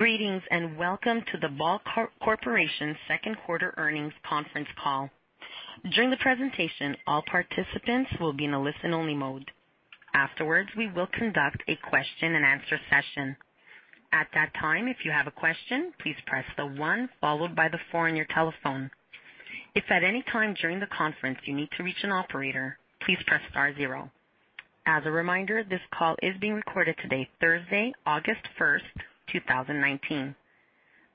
Greetings, welcome to the Ball Corporation second quarter earnings conference call. During the presentation, all participants will be in a listen-only mode. Afterwards, we will conduct a question-and-answer session. At that time, if you have a question, please press the one followed by the four on your telephone. If at any time during the conference you need to reach an operator, please press star zero. As a reminder, this call is being recorded today, Thursday, August 1st, 2019.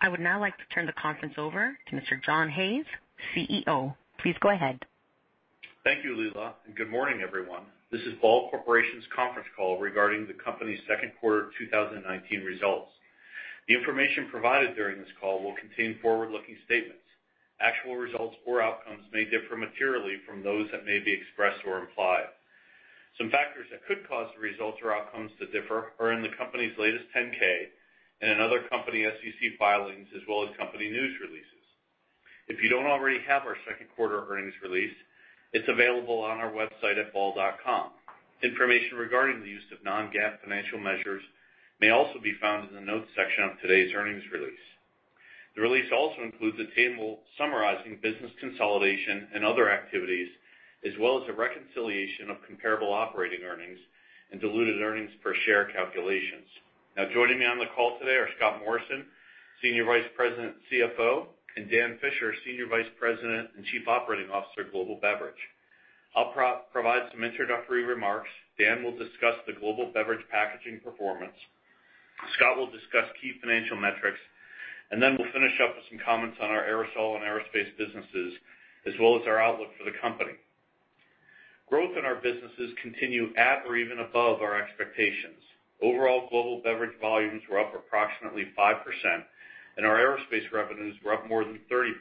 I would now like to turn the conference over to Mr. John Hayes, CEO. Please go ahead. Thank you, Leila, and good morning, everyone. This is Ball Corporation's conference call regarding the company's second quarter 2019 results. The information provided during this call will contain forward-looking statements. Actual results or outcomes may differ materially from those that may be expressed or implied. Some factors that could cause the results or outcomes to differ are in the company's latest 10-K and in other company SEC filings, as well as company news releases. If you don't already have our second quarter earnings release, it's available on our website at ball.com. Information regarding the use of non-GAAP financial measures may also be found in the notes section of today's earnings release. The release also includes a table summarizing business consolidation and other activities, as well as a reconciliation of comparable operating earnings and diluted earnings per share calculations. Now, joining me on the call today are Scott Morrison, Senior Vice President, CFO, and Dan Fisher, Senior Vice President and Chief Operating Officer, Global Beverage. I'll provide some introductory remarks. Dan will discuss the global beverage packaging performance. Scott will discuss key financial metrics, then we'll finish up with some comments on our aerosol and aerospace businesses, as well as our outlook for the company. Growth in our businesses continue at or even above our expectations. Overall global beverage volumes were up approximately 5%, and our aerospace revenues were up more than 30%.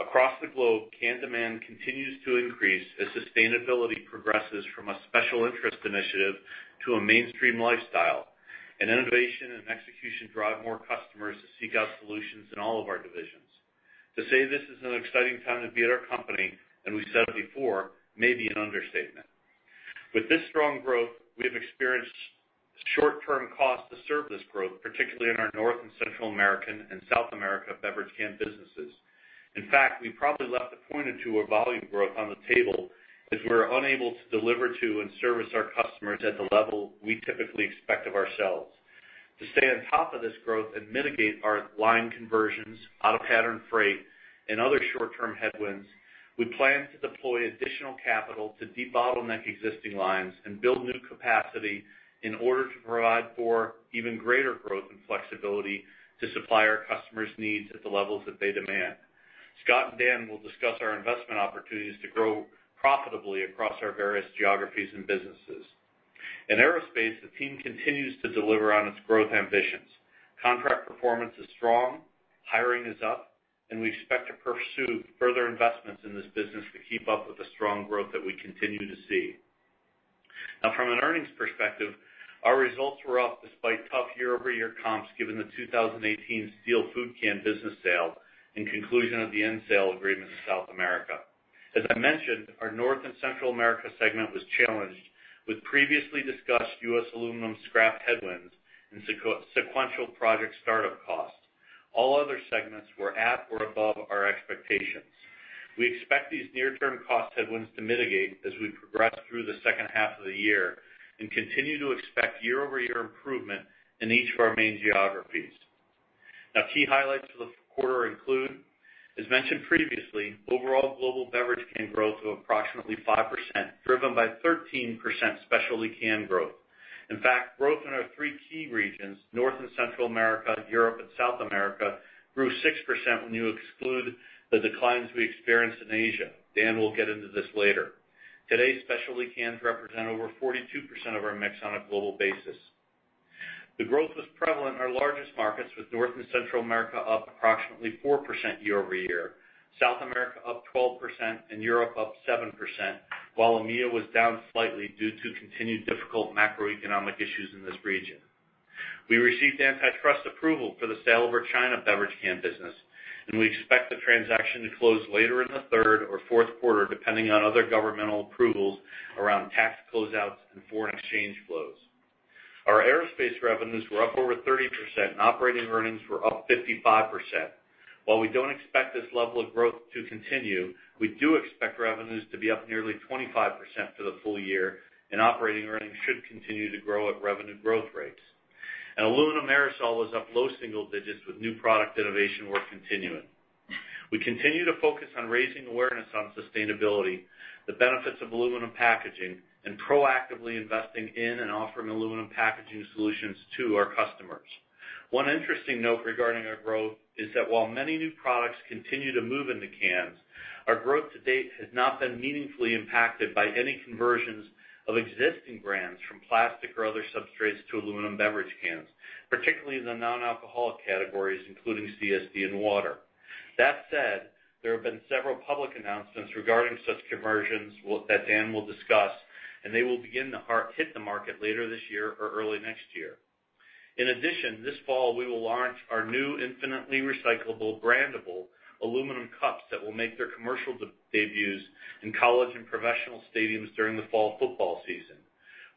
Across the globe, can demand continues to increase as sustainability progresses from a special interest initiative to a mainstream lifestyle. Innovation and execution drive more customers to seek out solutions in all of our divisions. To say this is an exciting time to be at our company, and we said it before, may be an understatement. With this strong growth, we have experienced short-term costs to serve this growth, particularly in our North and Central American and South America beverage can businesses. In fact, we probably left a point or two of volume growth on the table as we were unable to deliver to and service our customers at the level we typically expect of ourselves. To stay on top of this growth and mitigate our line conversions, out-of-pattern freight, and other short-term headwinds, we plan to deploy additional capital to debottleneck existing lines and build new capacity in order to provide for even greater growth and flexibility to supply our customers' needs at the levels that they demand. Scott and Dan will discuss our investment opportunities to grow profitably across our various geographies and businesses. In aerospace, the team continues to deliver on its growth ambitions. Contract performance is strong, hiring is up, and we expect to pursue further investments in this business to keep up with the strong growth that we continue to see. Now, from an earnings perspective, our results were up despite tough year-over-year comps given the 2018 steel food can business sale and conclusion of the end sale agreement in South America. As I mentioned, our North and Central America segment was challenged with previously discussed U.S. aluminum scrap headwinds and sequential project startup costs. All other segments were at or above our expectations. We expect these near-term cost headwinds to mitigate as we progress through the second half of the year and continue to expect year-over-year improvement in each of our main geographies. Now, key highlights for the quarter include, as mentioned previously, overall global beverage can growth of approximately 5%, driven by 13% specialty can growth. In fact, growth in our three key regions, North and Central America, Europe, and South America, grew 6% when you exclude the declines we experienced in Asia. Dan will get into this later. Today, specialty cans represent over 42% of our mix on a global basis. The growth was prevalent in our largest markets, with North and Central America up approximately 4% year-over-year, South America up 12%, and Europe up 7%, while EMEA was down slightly due to continued difficult macroeconomic issues in this region. We received antitrust approval for the sale of our China beverage can business, we expect the transaction to close later in the third or fourth quarter, depending on other governmental approvals around tax closeouts and foreign exchange flows. Our aerospace revenues were up over 30%, and operating earnings were up 55%. While we don't expect this level of growth to continue, we do expect revenues to be up nearly 25% for the full year, and operating earnings should continue to grow at revenue growth rates. Aluminum aerosol was up low single digits with new product innovation work continuing. We continue to focus on raising awareness on sustainability, the benefits of aluminum packaging, and proactively investing in and offering aluminum packaging solutions to our customers. One interesting note regarding our growth is that while many new products continue to move into cans, our growth to date has not been meaningfully impacted by any conversions of existing brands from plastic or other substrates to aluminum beverage cans, particularly in the non-alcoholic categories, including CSD and water. That said, there have been several public announcements regarding such conversions that Dan will discuss, and they will begin to hit the market later this year or early next year. In addition, this fall, we will launch our new infinitely recyclable, brandable aluminum cups that will make their commercial debuts in college and professional stadiums during the fall football season.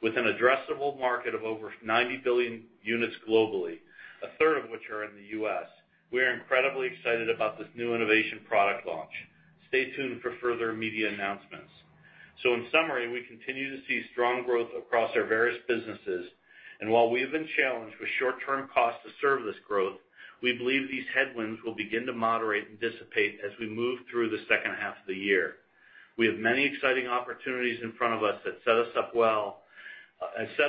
With an addressable market of over 90 billion units globally, a third of which are in the U.S., we are incredibly excited about this new innovation product launch. Stay tuned for further media announcements. In summary, we continue to see strong growth across our various businesses, and while we have been challenged with short-term costs to serve this growth, we believe these headwinds will begin to moderate and dissipate as we move through the second half of the year. We have many exciting opportunities in front of us that set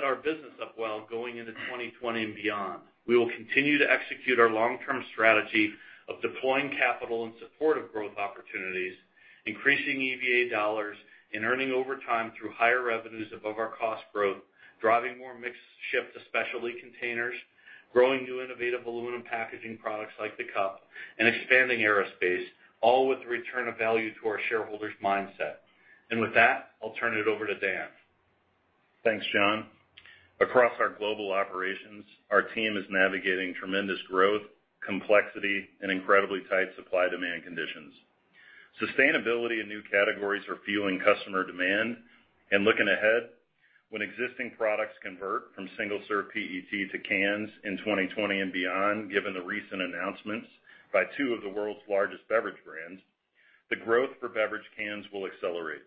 our business up well going into 2020 and beyond. We will continue to execute our long-term strategy of deploying capital in support of growth opportunities, increasing EVA dollars, and earning overtime through higher revenues above our cost growth, driving more mixed shifts, especially containers, growing new innovative aluminum packaging products like the cup, and expanding Aerospace, all with the return of value to our shareholders mindset. With that, I'll turn it over to Dan. Thanks, John. Across our global operations, our team is navigating tremendous growth, complexity, and incredibly tight supply-demand conditions. Sustainability and new categories are fueling customer demand. Looking ahead, when existing products convert from single-serve PET to cans in 2020 and beyond, given the recent announcements by two of the world's largest beverage brands, the growth for beverage cans will accelerate.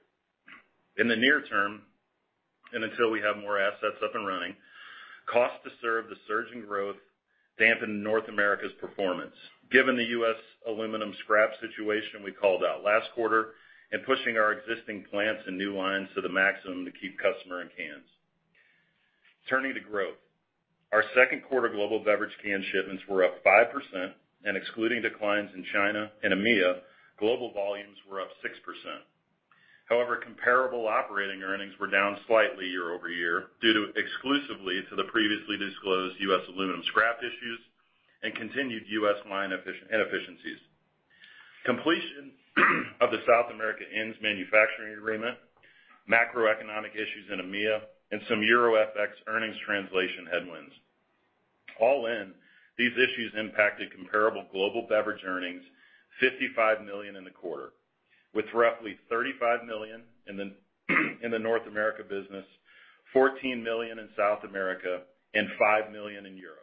In the near term, and until we have more assets up and running, cost to serve the surging growth dampened North America's performance, given the U.S. aluminum scrap situation we called out last quarter and pushing our existing plants and new lines to the maximum to keep customer in cans. Turning to growth. Our second quarter global beverage can shipments were up 5%. Excluding declines in China and EMEA, global volumes were up 6%. However, comparable operating earnings were down slightly year-over-year due exclusively to the previously disclosed U.S. aluminum scrap issues and continued U.S. line inefficiencies. Completion of the South America ends manufacturing agreement, macroeconomic issues in EMEA, and some Euro FX earnings translation headwinds. All in, these issues impacted comparable global beverage earnings, $55 million in the quarter, with roughly $35 million in the North America business, $14 million in South America, and $5 million in Europe.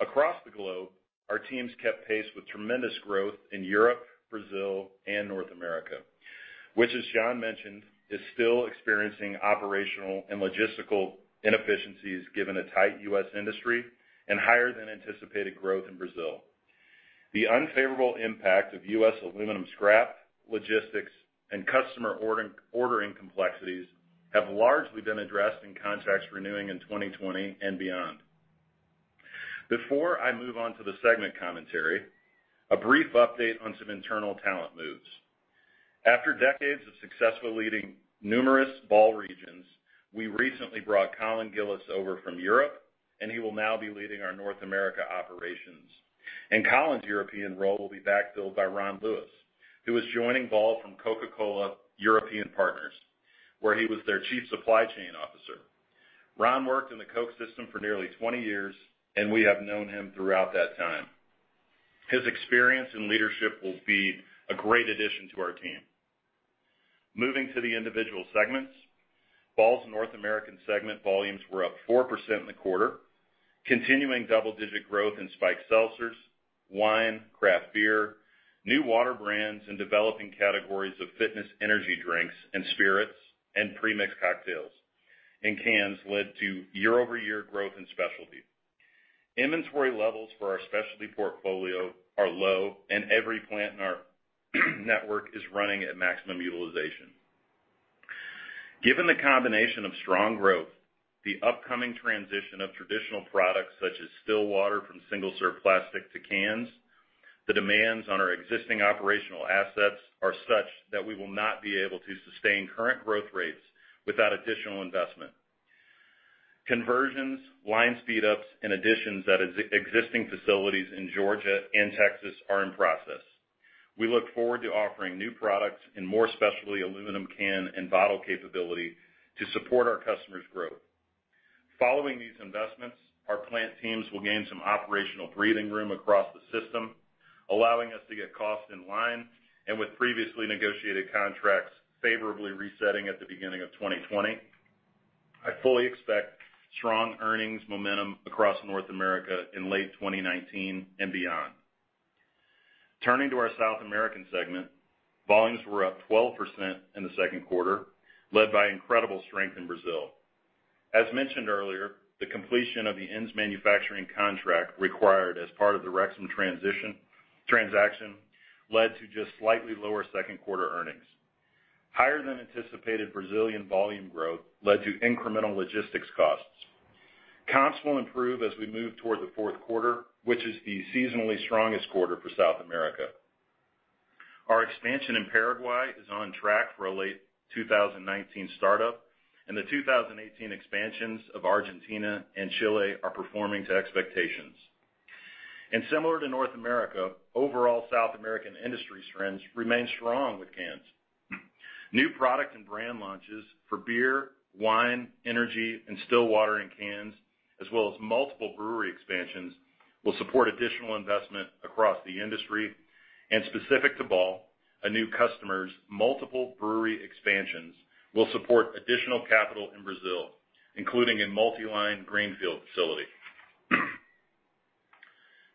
Across the globe, our teams kept pace with tremendous growth in Europe, Brazil, and North America, which, as John mentioned, is still experiencing operational and logistical inefficiencies given a tight U.S. industry and higher than anticipated growth in Brazil. The unfavorable impact of U.S. aluminum scrap, logistics, and customer ordering complexities have largely been addressed in contracts renewing in 2020 and beyond. Before I move on to the segment commentary, a brief update on some internal talent moves. After decades of successfully leading numerous Ball regions, we recently brought Colin Gillis over from Europe, and he will now be leading our North America operations. Colin's European role will be backfilled by Ron Lewis, who is joining Ball from Coca-Cola European Partners, where he was their Chief Supply Chain Officer. Ron worked in the Coke system for nearly 20 years, and we have known him throughout that time. His experience and leadership will be a great addition to our team. Moving to the individual segments. Ball's North American segment volumes were up 4% in the quarter, continuing double-digit growth in spiked seltzers, wine, craft beer, new water brands, and developing categories of fitness energy drinks and spirits and pre-mixed cocktails in cans led to year-over-year growth in specialty. Inventory levels for our specialty portfolio are low, and every plant in our network is running at maximum utilization. Given the combination of strong growth, the upcoming transition of traditional products such as still water from single-serve plastic to cans, the demands on our existing operational assets are such that we will not be able to sustain current growth rates without additional investment. Conversions, line speedups, and additions at existing facilities in Georgia and Texas are in process. We look forward to offering new products and more specialty aluminum can and bottle capability to support our customers' growth. Following these investments, our plant teams will gain some operational breathing room across the system, allowing us to get costs in line and with previously negotiated contracts favorably resetting at the beginning of 2020. I fully expect strong earnings momentum across North America in late 2019 and beyond. Turning to our South American segment. Volumes were up 12% in the second quarter, led by incredible strength in Brazil. As mentioned earlier, the completion of the ends manufacturing contract required as part of the Rexam transaction led to just slightly lower second quarter earnings. Higher than anticipated Brazilian volume growth led to incremental logistics costs. Costs will improve as we move toward the fourth quarter, which is the seasonally strongest quarter for South America. Our expansion in Paraguay is on track for a late 2019 startup, and the 2018 expansions of Argentina and Chile are performing to expectations. Similar to North America, overall South American industry strengths remain strong with cans. New product and brand launches for beer, wine, energy, and still water in cans, as well as multiple brewery expansions. Will support additional investment across the industry, and specific to Ball, a new customer's multiple brewery expansions will support additional capital in Brazil, including a multi-line greenfield facility.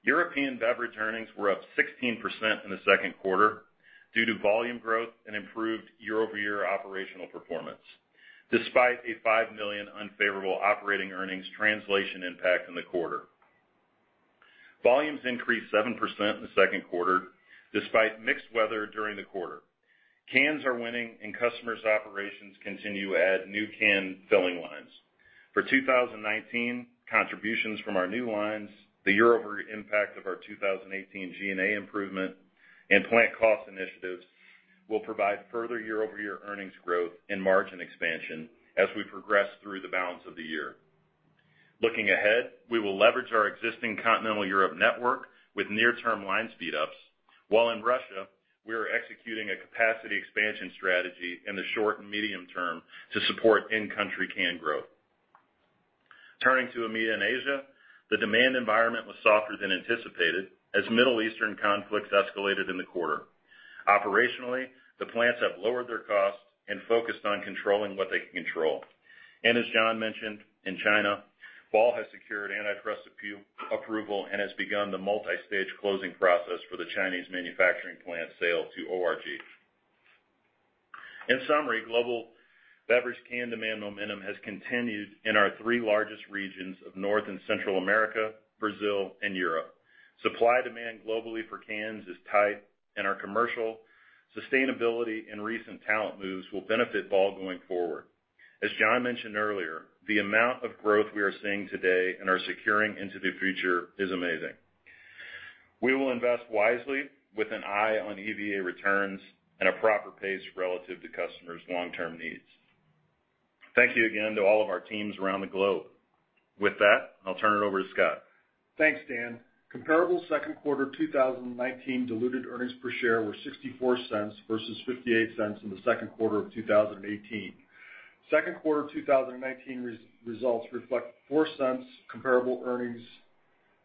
European beverage earnings were up 16% in the second quarter due to volume growth and improved year-over-year operational performance, despite a $5 million unfavorable operating earnings translation impact in the quarter. Volumes increased 7% in the second quarter, despite mixed weather during the quarter. Cans are winning, and customers' operations continue to add new can filling lines. For 2019, contributions from our new lines, the year-over-year impact of our 2018 G&A improvement, and plant cost initiatives will provide further year-over-year earnings growth and margin expansion as we progress through the balance of the year. Looking ahead, we will leverage our existing Continental Europe network with near-term line speedups. While in Russia, we are executing a capacity expansion strategy in the short and medium term to support in-country can growth. Turning to EMEA and Asia, the demand environment was softer than anticipated as Middle Eastern conflicts escalated in the quarter. Operationally, the plants have lowered their costs and focused on controlling what they can control. As John mentioned, in China, Ball has secured antitrust approval and has begun the multi-stage closing process for the Chinese manufacturing plant sale to ORG. In summary, global beverage can demand momentum has continued in our three largest regions of North and Central America, Brazil, and Europe. Supply-demand globally for cans is tight, and our commercial sustainability and recent talent moves will benefit Ball going forward. As John mentioned earlier, the amount of growth we are seeing today and are securing into the future is amazing. We will invest wisely with an eye on EVA returns and a proper pace relative to customers' long-term needs. Thank you again to all of our teams around the globe. With that, I'll turn it over to Scott. Thanks, Dan. Comparable second quarter 2019 diluted earnings per share were $0.64 versus $0.58 in the second quarter of 2018. Second quarter 2019 results reflect $0.04 comparable earnings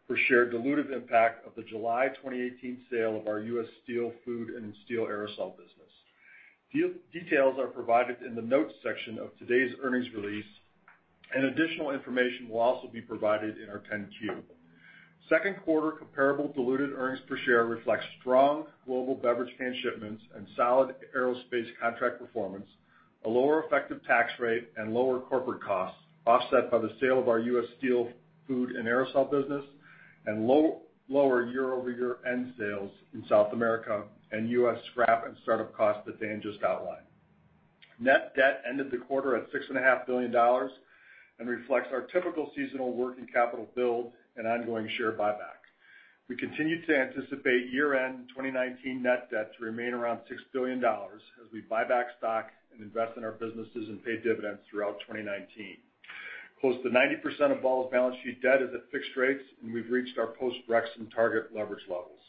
per share diluted impact of the July 2018 sale of our U.S. steel food and steel aerosol business. Details are provided in the notes section of today's earnings release, and additional information will also be provided in our 10-Q. Second quarter comparable diluted earnings per share reflects strong global beverage can shipments and solid aerospace contract performance, a lower effective tax rate, and lower corporate costs offset by the sale of our U.S. steel food and aerosol business, and lower year-over-year end sales in South America and U.S. scrap and startup costs that Dan just outlined. Net debt ended the quarter at $6.5 billion and reflects our typical seasonal working capital build and ongoing share buyback. We continue to anticipate year-end 2019 net debt to remain around $6 billion as we buy back stock and invest in our businesses and pay dividends throughout 2019. Close to 90% of Ball's balance sheet debt is at fixed rates, and we've reached our post-Rexam target leverage levels.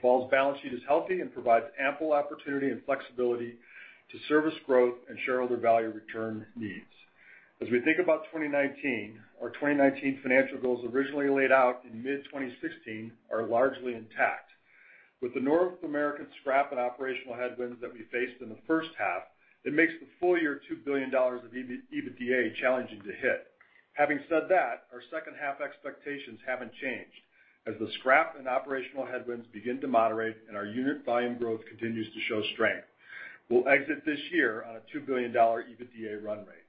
Ball's balance sheet is healthy and provides ample opportunity and flexibility to service growth and shareholder value return needs. As we think about 2019, our 2019 financial goals originally laid out in mid-2016 are largely intact. With the North American scrap and operational headwinds that we faced in the first half, it makes the full-year $2 billion of EBITDA challenging to hit. Having said that, our second half expectations haven't changed. As the scrap and operational headwinds begin to moderate and our unit volume growth continues to show strength, we'll exit this year on a $2 billion EBITDA run rate.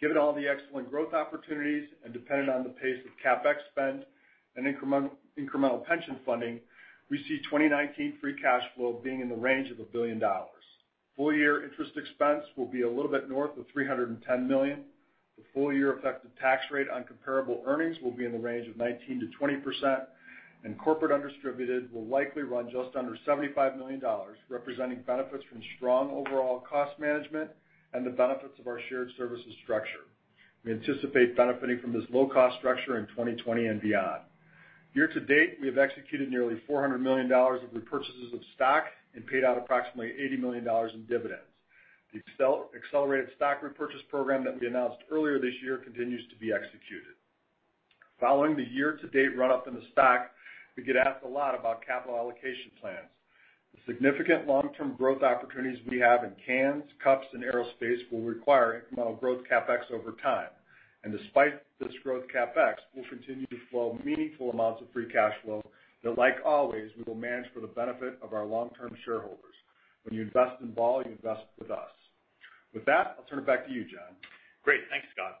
Given all the excellent growth opportunities and dependent on the pace of CapEx spend and incremental pension funding, we see 2019 free cash flow being in the range of $1 billion. Full-year interest expense will be a little bit north of $310 million. The full-year effective tax rate on comparable earnings will be in the range of 19%-20%, and corporate undistributed will likely run just under $75 million, representing benefits from strong overall cost management and the benefits of our shared services structure. We anticipate benefiting from this low-cost structure in 2020 and beyond. Year to date, we have executed nearly $400 million of repurchases of stock and paid out approximately $80 million in dividends. The accelerated stock repurchase program that we announced earlier this year continues to be executed. Following the year-to-date run-up in the stock, we get asked a lot about capital allocation plans. The significant long-term growth opportunities we have in cans, cups, and aerospace will require incremental growth CapEx over time. Despite this growth CapEx, we'll continue to flow meaningful amounts of free cash flow that, like always, we will manage for the benefit of our long-term shareholders. When you invest in Ball, you invest with us. With that, I'll turn it back to you, John. Great. Thanks, Scott.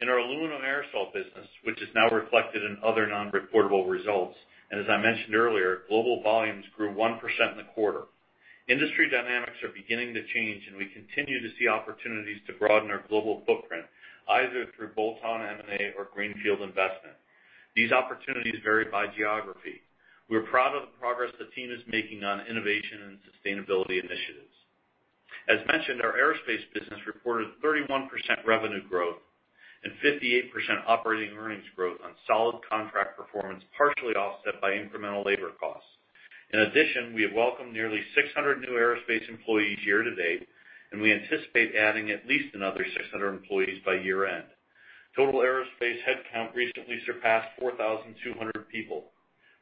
In our aluminum aerosol business, which is now reflected in other non-reportable results, and as I mentioned earlier, global volumes grew 1% in the quarter. Industry dynamics are beginning to change, and we continue to see opportunities to broaden our global footprint, either through bolt-on M&A or greenfield investment. These opportunities vary by geography. We're proud of the progress the team is making on innovation and sustainability initiatives. As mentioned, our aerospace business reported 31% revenue growth and 58% operating earnings growth on solid contract performance, partially offset by incremental labor costs. In addition, we have welcomed nearly 600 new aerospace employees year-to-date. We anticipate adding at least another 600 employees by year-end. Total aerospace headcount recently surpassed 4,200 people.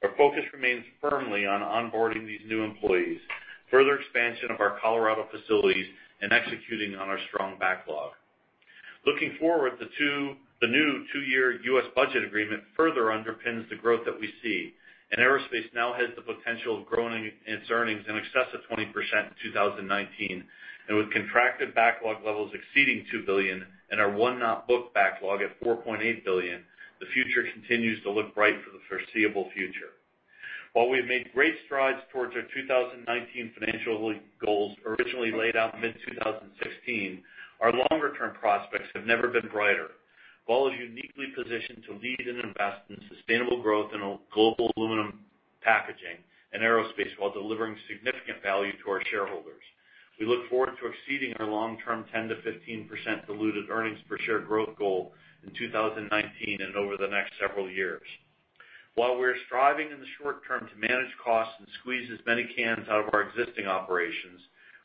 Our focus remains firmly on onboarding these new employees, further expansion of our Colorado facilities, and executing on our strong backlog. Looking forward, the new two-year U.S. budget agreement further underpins the growth that we see. Aerospace now has the potential of growing its earnings in excess of 20% in 2019. With contracted backlog levels exceeding $2 billion and our unbooked backlog at $4.8 billion, the future continues to look bright for the foreseeable future. While we have made great strides towards our 2019 financial goals originally laid out in mid-2016, our longer-term prospects have never been brighter. Ball is uniquely positioned to lead in investment, sustainable growth in global aluminum packaging, and aerospace while delivering significant value to our shareholders. We look forward to exceeding our long-term 10%-15% diluted earnings per share growth goal in 2019 and over the next several years. While we're striving in the short term to manage costs and squeeze as many cans out of our existing operations,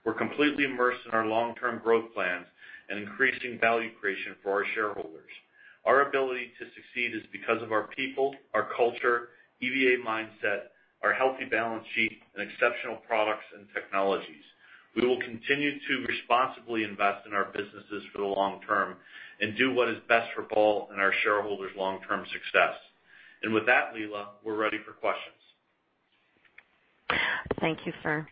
we're completely immersed in our long-term growth plans and increasing value creation for our shareholders. Our ability to succeed is because of our people, our culture, EVA mindset, our healthy balance sheet, and exceptional products and technologies. We will continue to responsibly invest in our businesses for the long term and do what is best for Ball and our shareholders' long-term success. With that, Leila, we're ready for questions. Thank you, sir.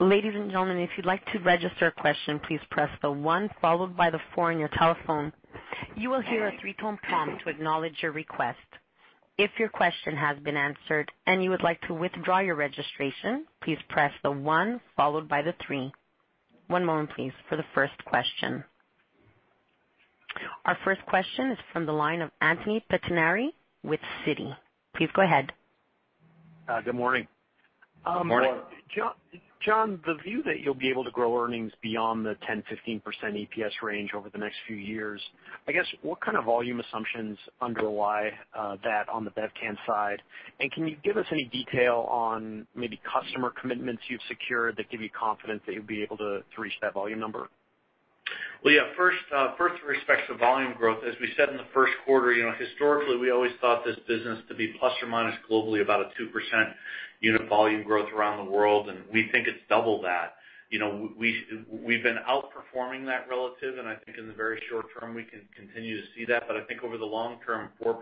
Ladies and gentlemen, if you'd like to register a question, please press the one followed by the four on your telephone. You will hear a three-tone prompt to acknowledge your request. If your question has been answered and you would like to withdraw your registration, please press the one followed by the three. One moment please for the first question. Our first question is from the line of Anthony Pettinari with Citi. Please go ahead. Good morning. Good morning. John, the view that you'll be able to grow earnings beyond the 10%-15% EPS range over the next few years, I guess, what kind of volume assumptions underlie that on the Bevcan side? Can you give us any detail on maybe customer commitments you've secured that give you confidence that you'll be able to reach that volume number? Well, yeah. First with respect to volume growth, as we said in the first quarter, historically, we always thought this business to be plus or minus globally about a 2% unit volume growth around the world, and we think it's double that. We've been outperforming that relative, and I think in the very short term, we can continue to see that. I think over the long term, 4%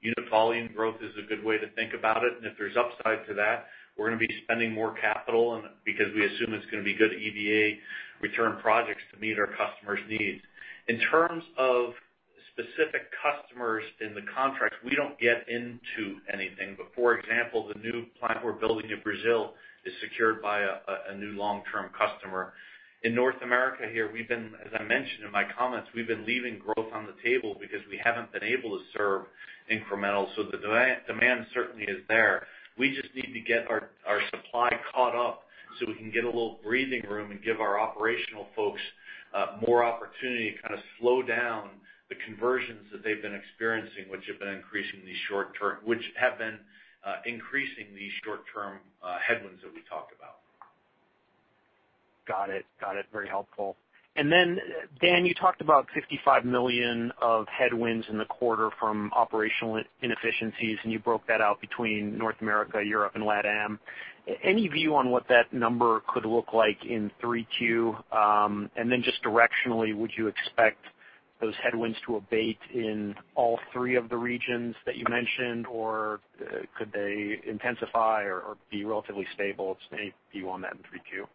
unit volume growth is a good way to think about it. If there's upside to that, we're going to be spending more capital because we assume it's going to be good EVA return projects to meet our customers' needs. In terms of specific customers in the contracts, we don't get into anything. For example, the new plant we're building in Brazil is secured by a new long-term customer. In North America here, as I mentioned in my comments, we've been leaving growth on the table because we haven't been able to serve incremental. The demand certainly is there. We just need to get our supply caught up so we can get a little breathing room and give our operational folks more opportunity to kind of slow down the conversions that they've been experiencing, which have been increasing these short-term headwinds that we talked about. Got it. Very helpful. Dan, you talked about $55 million of headwinds in the quarter from operational inefficiencies, and you broke that out between North America, Europe, and LATAM. Any view on what that number could look like in 3Q? Just directionally, would you expect those headwinds to abate in all three of the regions that you mentioned, or could they intensify or be relatively stable? Just any view on that in 3Q.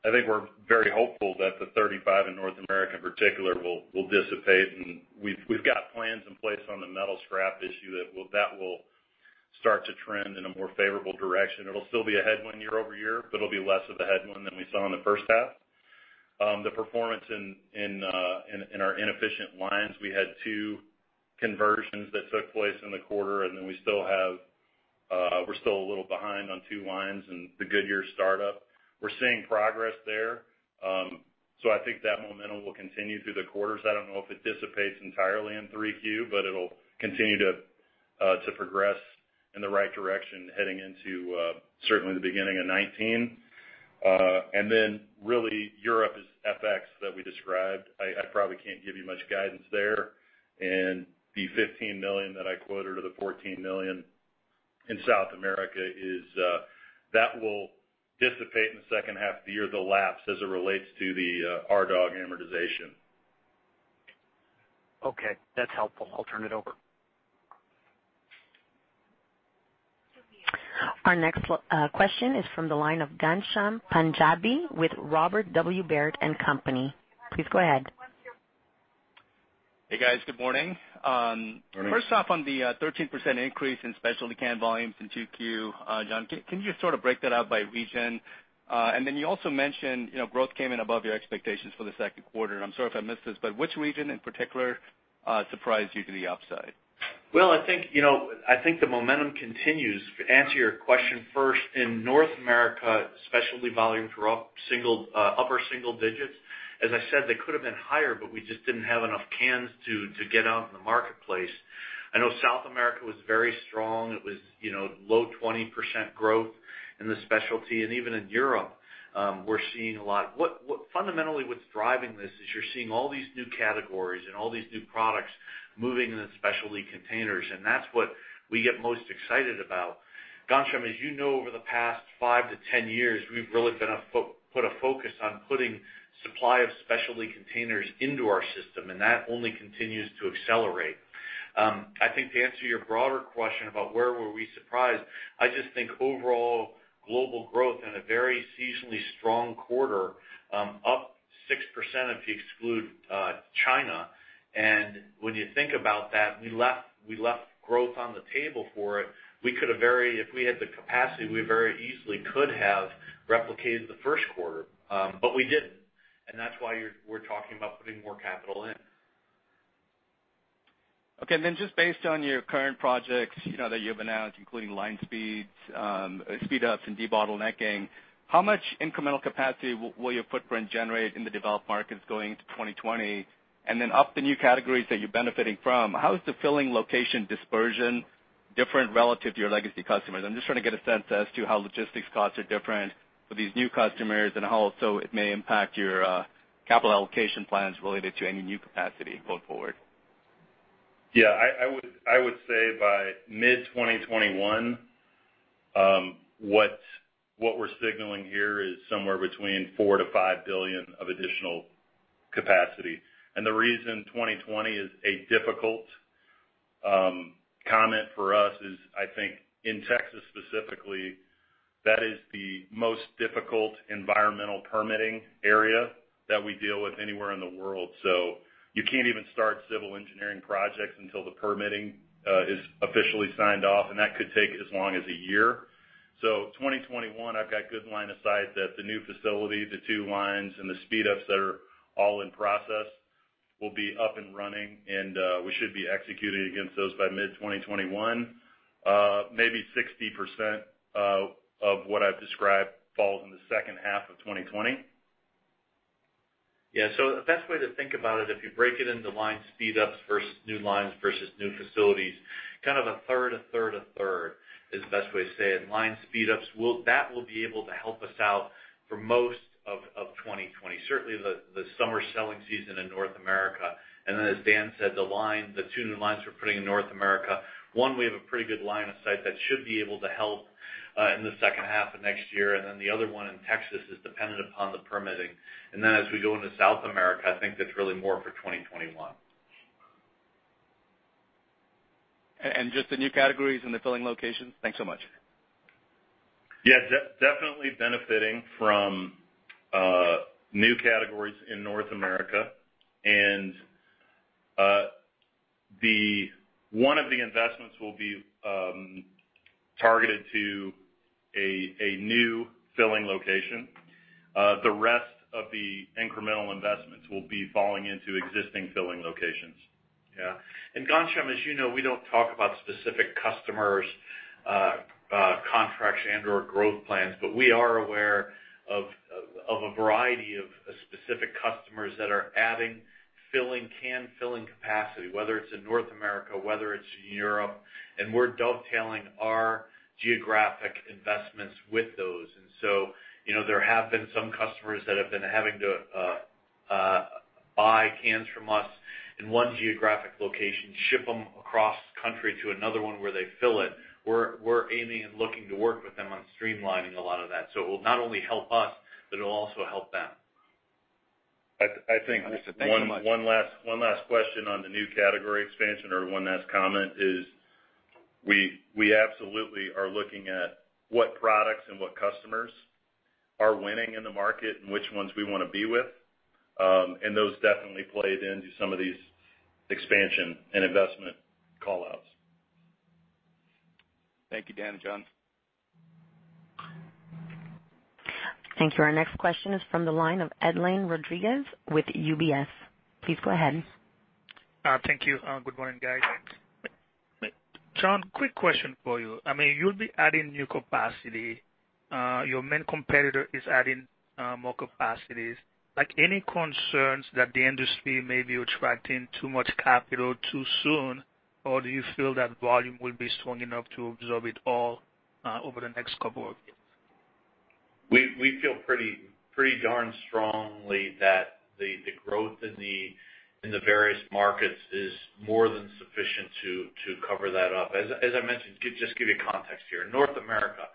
I think we're very hopeful that the 35 in North America, in particular, will dissipate, and we've got plans in place on the metal scrap issue that will start to trend in a more favorable direction. It'll still be a headwind year-over-year, but it'll be less of a headwind than we saw in the first half. The performance in our inefficient lines, we had two conversions that took place in the quarter, and then we're still a little behind on two lines in the Goodyear startup. We're seeing progress there. I think that momentum will continue through the quarters. I don't know if it dissipates entirely in 3Q, but it'll continue to progress in the right direction heading into certainly the beginning of 2019. Really Europe is FX that we described. I probably can't give you much guidance there. The $15 million that I quoted or the $14 million in South America, that will dissipate in the second half of the year. The lapse as it relates to the Rexam amortization. Okay. That's helpful. I'll turn it over. Our next question is from the line of Ghansham Panjabi with Robert W. Baird & Co.. Please go ahead. Hey guys. Good morning. Good morning. First off, on the 13% increase in specialty can volumes in 2Q. John, can you sort of break that out by region? You also mentioned growth came in above your expectations for the second quarter, and I'm sorry if I missed this, but which region in particular surprised you to the upside? Well, I think the momentum continues. To answer your question first, in North America, specialty volumes were up upper single digits. As I said, they could have been higher, but we just didn't have enough cans to get out in the marketplace. I know South America was very strong. It was low 20% growth in the specialty. Even in Europe, we're seeing a lot. Fundamentally, what's driving this is you're seeing all these new categories and all these new products moving into specialty containers, and that's what we get most excited about. Ghansham, as you know, over the past 5-10 years, we've really put a focus on putting supply of specialty containers into our system, and that only continues to accelerate. I think to answer your broader question about where were we surprised, I just think overall global growth in a very seasonally strong quarter, up 6% if you exclude China. When you think about that, we left growth on the table for it. If we had the capacity, we very easily could have replicated the first quarter, but we didn't. That's why we're talking about putting more capital in. Okay, just based on your current projects that you have announced, including line speeds, speed ups, and debottlenecking, how much incremental capacity will your footprint generate in the developed markets going into 2020? Of the new categories that you're benefiting from, how is the filling location dispersion different relative to your legacy customers? I'm just trying to get a sense as to how logistics costs are different for these new customers and how also it may impact your capital allocation plans related to any new capacity going forward. Yeah, I would say by mid-2021, what we're signaling here is somewhere between $4 billion-$5 billion of additional capacity. The reason 2020 is a difficult comment for us is, I think in Texas specifically, that is the most difficult environmental permitting area that we deal with anywhere in the world. You can't even start civil engineering projects until the permitting is officially signed off, and that could take as long as a year. 2021, I've got good line of sight that the new facility, the two lines, and the speed ups that are all in process will be up and running. We should be executing against those by mid-2021. Maybe 60% of what I've described falls in the second half of 2020. Yeah. The best way to think about it, if you break it into line speed ups versus new lines versus new facilities, kind of a third, a third, a third, is the best way to say it. Line speed ups, that will be able to help us out for most of 2020, certainly the summer selling season in North America. As Dan said, the two new lines we're putting in North America, one, we have a pretty good line of sight that should be able to help in the second half of next year. The other one in Texas is dependent upon the permitting. As we go into South America, I think that's really more for 2021. Just the new categories and the filling locations? Thanks so much. Yeah. Definitely benefiting from new categories in North America, and one of the investments will be targeted to a new filling location. The rest of the incremental investments will be falling into existing filling locations. Yeah. Ghansham, as you know, we don't talk about specific customers, contracts, and/or growth plans, but we are aware of a variety of specific customers that are adding can filling capacity, whether it's in North America, whether it's in Europe. We're dovetailing our geographic investments with those. There have been some customers that have been having to buy cans from us in one geographic location, ship them across country to another one where they fill it. We're aiming and looking to work with them on streamlining a lot of that. It will not only help us, but it will also help them. I think- Thank you so much. one last question on the new category expansion or one last comment is, we absolutely are looking at what products and what customers are winning in the market and which ones we want to be with. Those definitely played into some of these expansion and investment call-outs. Thank you, Dan and John. Thank you. Our next question is from the line of Edlain Rodriguez with UBS. Please go ahead. Thank you. Good morning, guys. John, quick question for you. You'll be adding new capacity. Your main competitor is adding more capacities. Any concerns that the industry may be attracting too much capital too soon? Or do you feel that volume will be strong enough to absorb it all over the next couple of years? We feel pretty darn strongly that the growth in the various markets is more than sufficient to cover that up. As I mentioned, just give you context here, North America,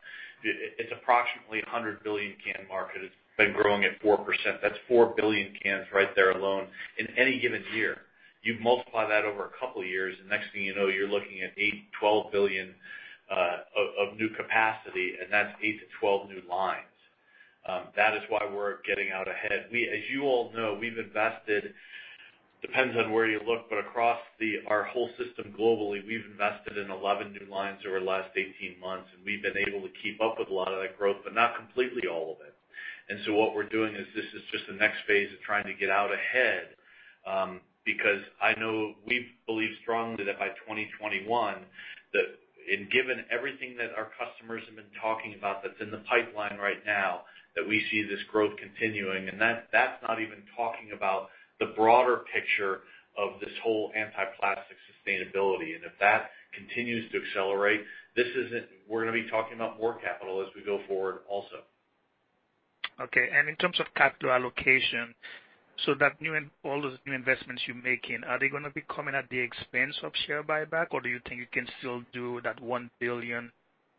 it's approximately 100 billion can market. It's been growing at 4%. That's four billion cans right there alone in any given year. You multiply that over a couple of years, and next thing you know, you're looking at 8 billion-12 billion of new capacity, and that's 8-12 new lines. That is why we're getting out ahead. As you all know, we've invested, depends on where you look, but across our whole system globally, we've invested in 11 new lines over the last 18 months, and we've been able to keep up with a lot of that growth, but not completely all of it. What we're doing is this is just the next phase of trying to get out ahead. I know we believe strongly that by 2021, and given everything that our customers have been talking about that's in the pipeline right now, that we see this growth continuing. That's not even talking about the broader picture of this whole anti-plastic sustainability. If that continues to accelerate, we're going to be talking about more capital as we go forward also. Okay. In terms of capital allocation, so all those new investments you're making, are they going to be coming at the expense of share buyback, or do you think you can still do that $1 billion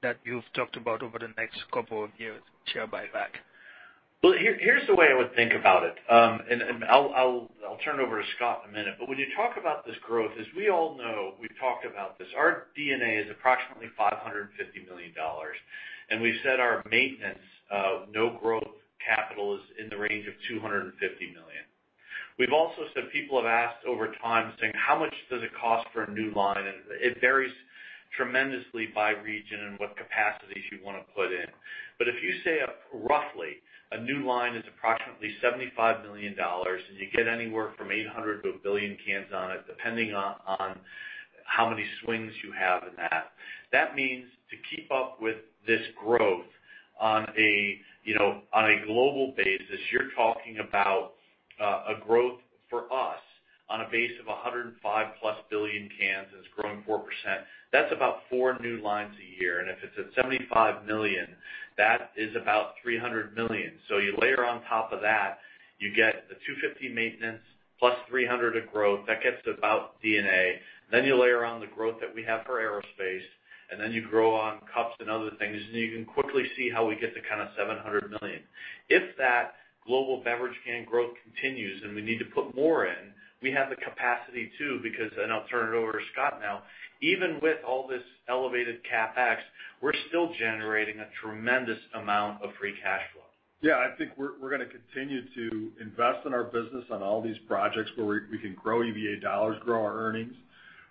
that you've talked about over the next couple of years share buyback? Well, here's the way I would think about it. I'll turn it over to Scott in a minute. When you talk about this growth, as we all know, we've talked about this, our D&A is approximately $550 million, and we've said our maintenance of no growth capital is in the range of $250 million. We've also said people have asked over time, saying, "How much does it cost for a new line?" It varies tremendously by region and what capacities you want to put in. If you say roughly, a new line is approximately $75 million, and you get anywhere from 800 to 1 billion cans on it, depending on how many swings you have in that. That means to keep up with this growth on a global basis, you're talking about a growth for us on a base of 105+ billion cans, and it's growing 4%. That's about four new lines a year. If it's at $75 million, that is about $300 million. You layer on top of that, you get the $250 million maintenance plus $300 million of growth. That gets about D&A. You layer on the growth that we have for aerospace, and then you grow on cups and other things, and you can quickly see how we get to $700 million. If that global beverage can growth continues and we need to put more in, we have the capacity to because, and I'll turn it over to Scott now, even with all this elevated CapEx, we're still generating a tremendous amount of free cash flow. Yeah, I think we're going to continue to invest in our business on all these projects where we can grow EBITDA dollars, grow our earnings.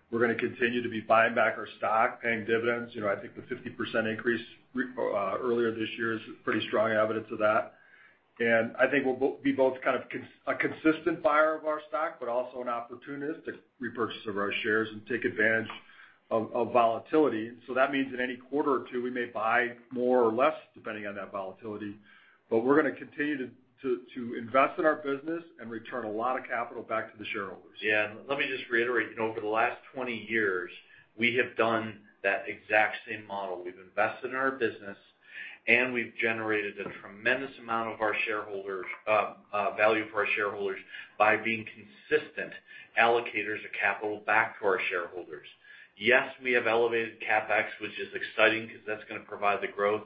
We're going to continue to be buying back our stock, paying dividends. I think the 50% increase earlier this year is pretty strong evidence of that. I think we'll be both a consistent buyer of our stock, but also an opportunist to repurchase of our shares and take advantage of volatility. That means in any quarter or two, we may buy more or less, depending on that volatility. We're going to continue to invest in our business and return a lot of capital back to the shareholders. Let me just reiterate. Over the last 20 years, we have done that exact same model. We've invested in our business, and we've generated a tremendous amount of value for our shareholders by being consistent allocators of capital back to our shareholders. Yes, we have elevated CapEx, which is exciting because that's going to provide the growth,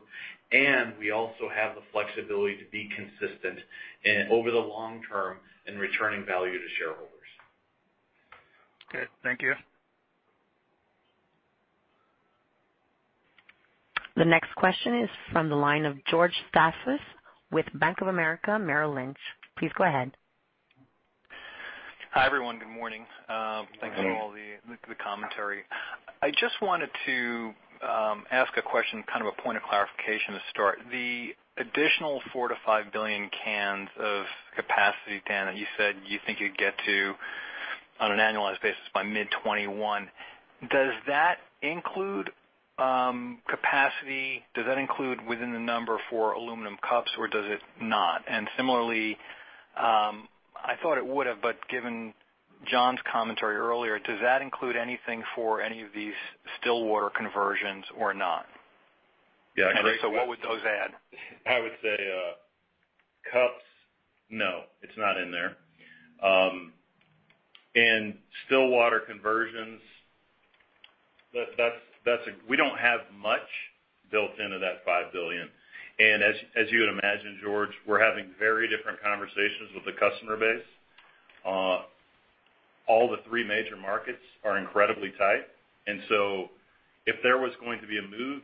and we also have the flexibility to be consistent over the long term in returning value to shareholders. Okay. Thank you. The next question is from the line of George Staphos with Bank of America Merrill Lynch. Please go ahead. Hi, everyone. Good morning. Good morning. Thanks for all the commentary. I just wanted to ask a question, kind of a point of clarification to start. The additional 4 billion-5 billion cans of capacity, Dan, that you said you think you'd get to on an annualized basis by mid 2021, does that include within the number for aluminum cups or does it not? Similarly, I thought it would have, but given John's commentary earlier, does that include anything for any of these still water conversions or not? Yeah. If so, what would those add? I would say cups, no, it's not in there. Still water conversions, we don't have much built into that $5 billion. As you would imagine, George, we're having very different conversations with the customer base. All the three major markets are incredibly tight. If there was going to be a move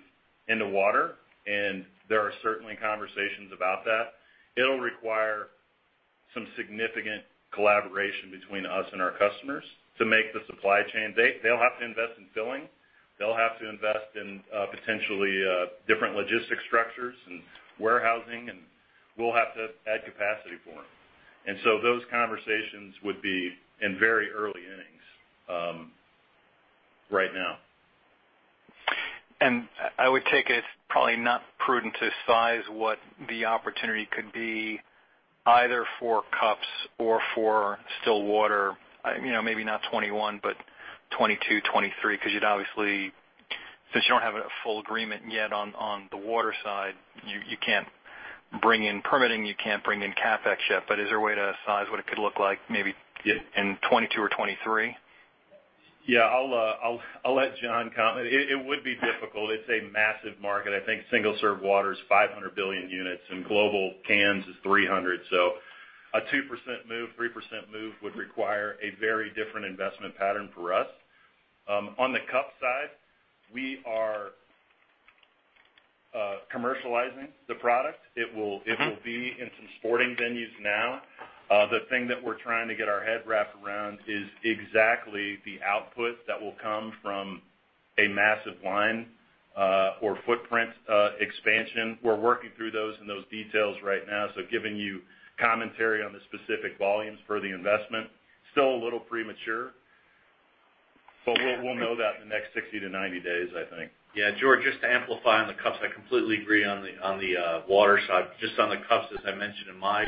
into water, and there are certainly conversations about that, it'll require some significant collaboration between us and our customers to make the supply chain. They'll have to invest in filling, they'll have to invest in potentially different logistics structures and warehousing, and we'll have to add capacity for them. Those conversations would be in very early innings right now. I would take it's probably not prudent to size what the opportunity could be either for cups or for still water. Maybe not 2021, but 2022, 2023, because you'd obviously, since you don't have a full agreement yet on the water side, you can't bring in permitting. You can't bring in CapEx yet. Is there a way to size what it could look like maybe in 2022 or 2023? I'll let John comment. It would be difficult. It's a massive market. I think single serve water is 500 billion units and global cans is 300. A 2% move, 3% move would require a very different investment pattern for us. On the cup side, we are commercializing the product. It will be in some sporting venues now. The thing that we're trying to get our head wrapped around is exactly the output that will come from a massive line or footprint expansion. We're working through those in those details right now, giving you commentary on the specific volumes for the investment, still a little premature. We'll know that in the next 60-90 days, I think. Yeah, George, just to amplify on the cups, I completely agree on the water side. Just on the cups, as I mentioned in my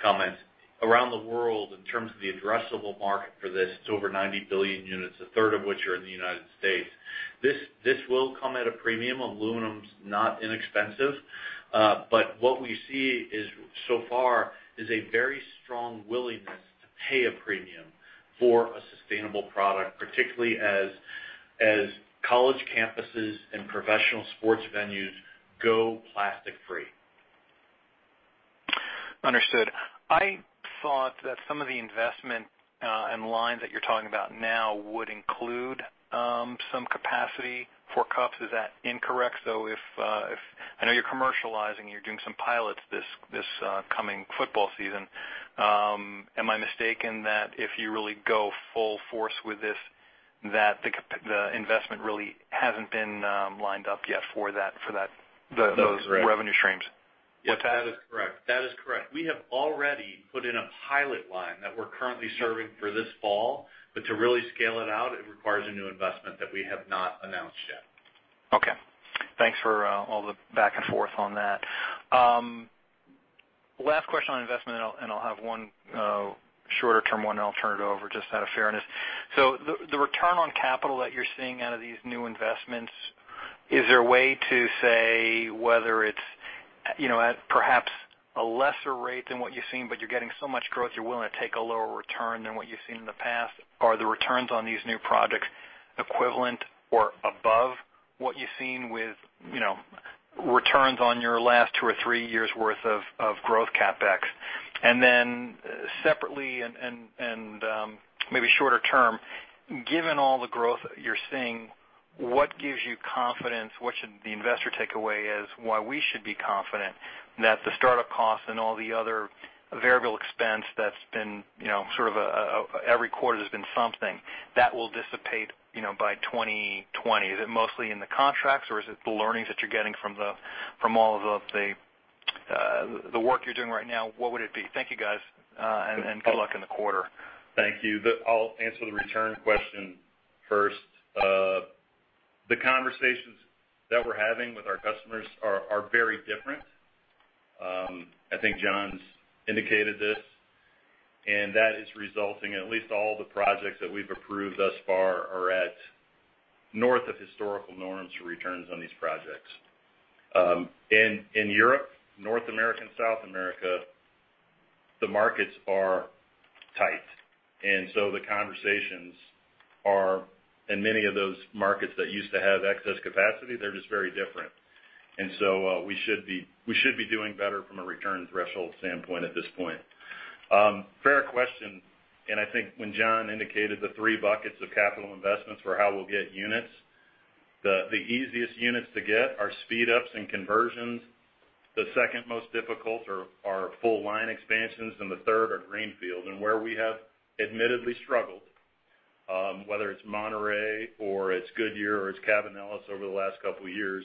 comments, around the world, in terms of the addressable market for this, it's over 90 billion units, a third of which are in the U.S. This will come at a premium. Aluminum's not inexpensive. What we see so far is a very strong willingness to pay a premium for a sustainable product, particularly as college campuses and professional sports venues go plastic-free. Understood. I thought that some of the investment and lines that you're talking about now would include some capacity for cups. Is that incorrect? I know you're commercializing, you're doing some pilots this coming football season. Am I mistaken that if you really go full force with this, that the investment really hasn't been lined up yet for those revenue streams? That is correct. What's that? That is correct. We have already put in a pilot line that we are currently serving for this fall. To really scale it out, it requires a new investment that we have not announced yet. Okay. Thanks for all the back and forth on that. Last question on investment and I'll have one shorter term one, and I'll turn it over just out of fairness. The return on capital that you're seeing out of these new investments, is there a way to say whether it's at perhaps a lesser rate than what you've seen, but you're getting so much growth, you're willing to take a lower return than what you've seen in the past? Are the returns on these new projects equivalent or above what you've seen with returns on your last two or three years worth of growth CapEx? Then separately, and maybe shorter term, given all the growth you're seeing, what gives you confidence? What should the investor takeaway is why we should be confident that the startup costs and all the other variable expense that's been every quarter there's been something, that will dissipate by 2020? Is it mostly in the contracts or is it the learnings that you're getting from all of the work you're doing right now? What would it be? Thank you guys, and good luck in the quarter. Thank you. I'll answer the return question first. The conversations that we're having with our customers are very different. I think John's indicated this, that is resulting in at least all the projects that we've approved thus far are at north of historical norms for returns on these projects. In Europe, North America, and South America, the markets are tight, so the conversations are in many of those markets that used to have excess capacity, they're just very different. We should be doing better from a return threshold standpoint at this point. Fair question, I think when John indicated the three buckets of capital investments for how we'll get units, the easiest units to get are speed ups and conversions. The second most difficult are full line expansions, the third are greenfields. Where we have admittedly struggled, whether it's Monterrey or it's Goodyear or it's Cabanillas over the last couple of years,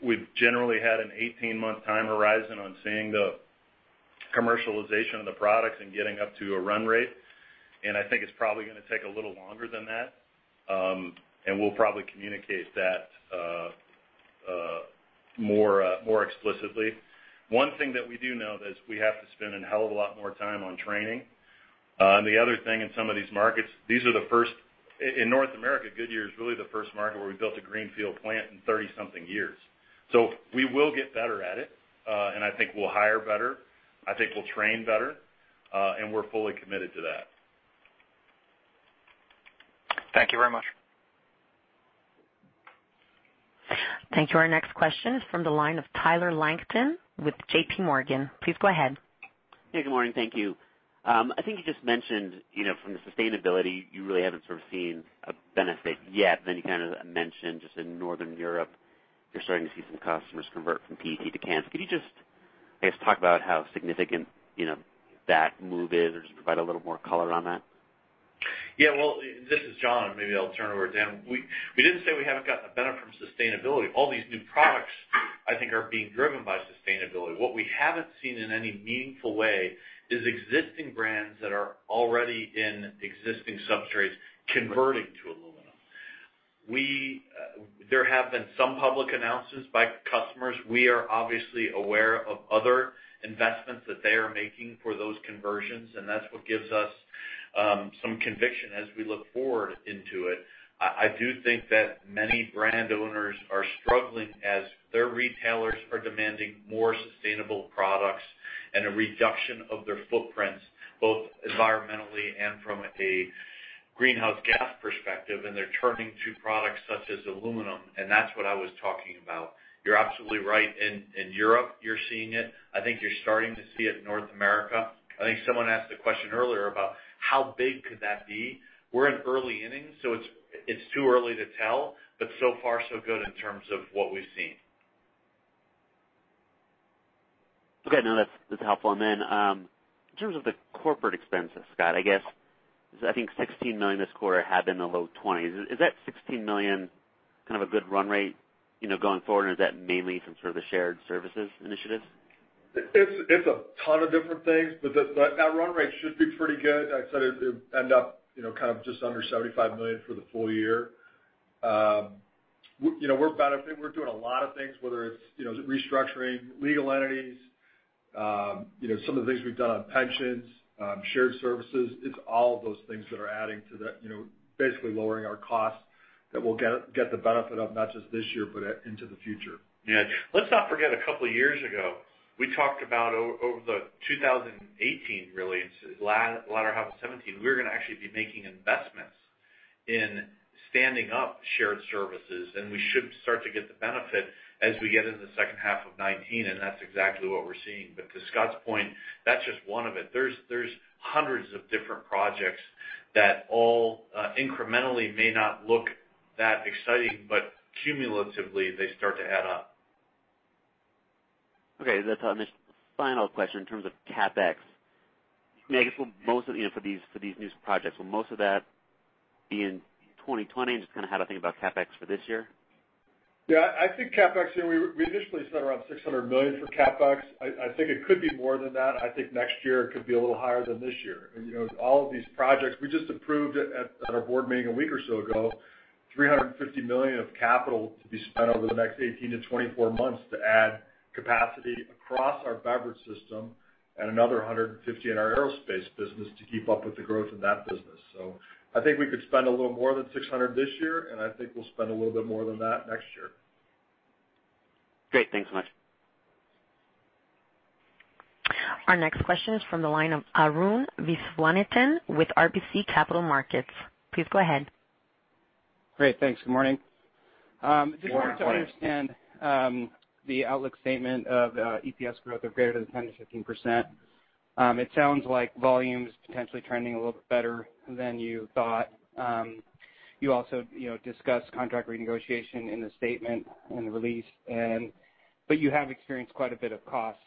we've generally had an 18-month time horizon on seeing the commercialization of the products and getting up to a run rate, and I think it's probably gonna take a little longer than that. We'll probably communicate that more explicitly. One thing that we do know that is we have to spend a hell of a lot more time on training. The other thing in some of these markets, in North America, Goodyear is really the first market where we built a greenfield plant in 30-something years. We will get better at it, and I think we'll hire better, I think we'll train better, and we're fully committed to that. Thank you very much. Thank you. Our next question is from the line of Tyler Langton with JPMorgan. Please go ahead. Yeah, good morning. Thank you. I think you just mentioned from the sustainability, you really haven't sort of seen a benefit yet. You kind of mentioned just in Northern Europe, you're starting to see some customers convert from PET to cans. Could you just, I guess, talk about how significant that move is or just provide a little more color on that? Yeah. Well, this is John. Maybe I'll turn it over to Dan. We didn't say we haven't gotten a benefit from sustainability. All these new products, I think, are being driven by sustainability. What we haven't seen in any meaningful way is existing brands that are already in existing substrates converting to aluminum. There have been some public announcements by customers. We are obviously aware of other investments that they are making for those conversions, and that's what gives us some conviction as we look forward into it. I do think that many brand owners are struggling as their retailers are demanding more sustainable products and a reduction of their footprints, both environmentally and from a greenhouse gas perspective, and they're turning to products such as aluminum, and that's what I was talking about. You're absolutely right. In Europe, you're seeing it. I think you're starting to see it in North America. I think someone asked a question earlier about how big could that be. We're in early innings, so it's too early to tell, but so far so good in terms of what we've seen. Okay. No, that's helpful. In terms of the corporate expenses, Scott, I guess because I think $16 million this quarter had been the low 20s. Is that $16 million kind of a good run rate going forward, or is that mainly from sort of the shared services initiatives? It's a ton of different things. That run rate should be pretty good. I said it would end up just under $75 million for the full year. We're benefiting. We're doing a lot of things, whether it's restructuring legal entities, some of the things we've done on pensions, shared services. It's all of those things that are adding to that, basically lowering our costs that we'll get the benefit of, not just this year, but into the future. Yeah. Let's not forget, a couple of years ago, we talked about over the 2018 really, into the latter half of 2017, we were going to actually be making investments in standing up shared services, and we should start to get the benefit as we get into the second half of 2019, and that's exactly what we're seeing. To Scott's point, that's just one of it. There's hundreds of different projects that all incrementally may not look that exciting, but cumulatively, they start to add up. Okay. On this final question, in terms of CapEx, I guess for these new projects. Will most of that be in 2020? Just how to think about CapEx for this year? Yeah, I think CapEx, we initially said around $600 million for CapEx. I think it could be more than that. I think next year it could be a little higher than this year. All of these projects, we just approved at our board meeting a week or so ago, $350 million of capital to be spent over the next 18-24 months to add capacity across our beverage system and another $150 in our aerospace business to keep up with the growth in that business. I think we could spend a little more than $600 this year, and I think we'll spend a little bit more than that next year. Great. Thanks so much. Our next question is from the line of Arun Viswanathan with RBC Capital Markets. Please go ahead. Great. Thanks. Good morning. Good morning. Just wanted to understand the outlook statement of EPS growth of greater than 10%-15%. It sounds like volume's potentially trending a little bit better than you thought. You also discussed contract renegotiation in the statement, in the release. You have experienced quite a bit of cost.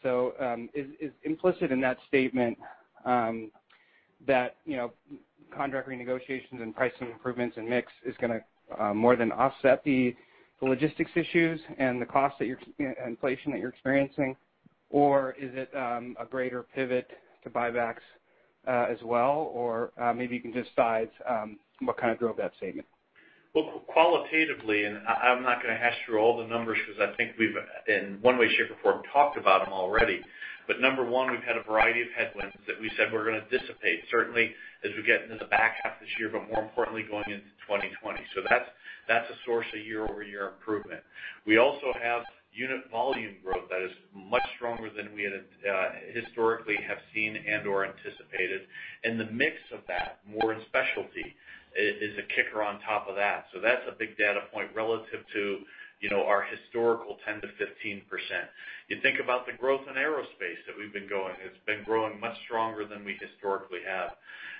Is implicit in that statement that contract renegotiations and pricing improvements and mix is going to more than offset the logistics issues and the cost and inflation that you're experiencing? Is it a greater pivot to buybacks as well? Maybe you can just size what kind of drove that statement? Qualitatively, I'm not going to hash through all the numbers because I think we've, in one way, shape, or form, talked about them already. Number 1, we've had a variety of headwinds that we said were going to dissipate, certainly as we get into the back half of this year, but more importantly, going into 2020. That's a source of year-over-year improvement. We also have unit volume growth that is much stronger than we historically have seen and/or anticipated, and the mix of that, more in specialty, is a kicker on top of that. That's a big data point relative to our historical 10%-15%. You think about the growth in aerospace that we've been going. It's been growing much stronger than we historically have.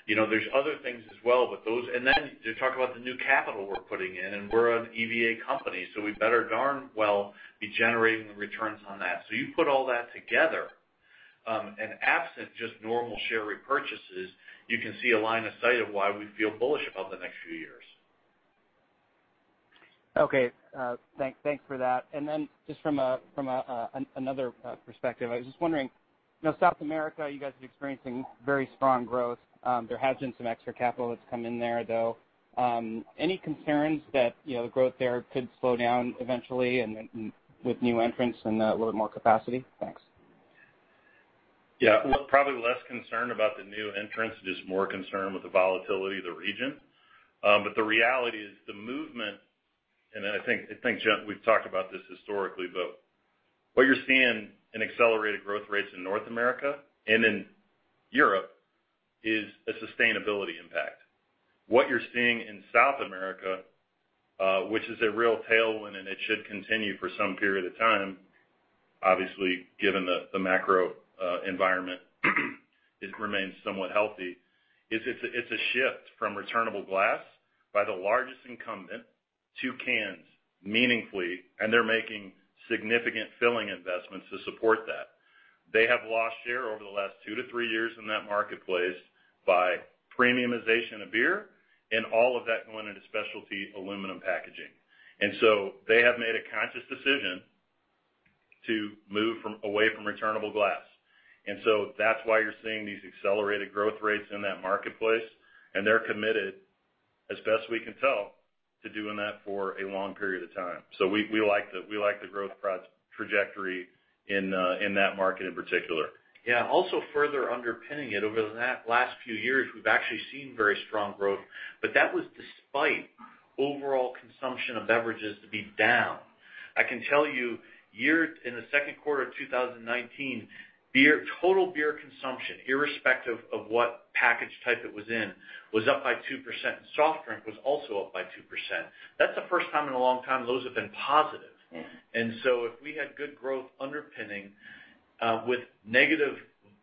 There's other things as well. You talk about the new capital we're putting in, and we're an EVA company, so we better darn well be generating the returns on that. You put all that together, and absent just normal share repurchases, you can see a line of sight of why we feel bullish about the next few years. Okay. Thanks for that. Then just from another perspective, I was just wondering, South America, you guys are experiencing very strong growth. There has been some extra capital that's come in there, though. Any concerns that the growth there could slow down eventually and with new entrants and a little bit more capacity? Thanks. Yeah. Probably less concerned about the new entrants, just more concerned with the volatility of the region. The reality is the movement, and I think, John, we've talked about this historically, but what you're seeing in accelerated growth rates in North America and in Europe is a sustainability impact. What you're seeing in South America, which is a real tailwind, and it should continue for some period of time, obviously, given the macro environment it remains somewhat healthy, is it's a shift from returnable glass by the largest incumbent to cans, meaningfully, and they're making significant filling investments to support that. They have lost share over the last two to three years in that marketplace by premiumization of beer and all of that going into specialty aluminum packaging. They have made a conscious decision to move away from returnable glass. That's why you're seeing these accelerated growth rates in that marketplace. They're committed, as best we can tell, to doing that for a long period of time. We like the growth trajectory in that market in particular. Yeah. Further underpinning it, over the last few years, we've actually seen very strong growth, but that was despite overall consumption of beverages to be down. I can tell you, in the second quarter of 2019, total beer consumption, irrespective of what package type it was in, was up by 2%. Soft drink was also up by 2%. That's the first time in a long time those have been positive. Yeah. If we had good growth underpinning with negative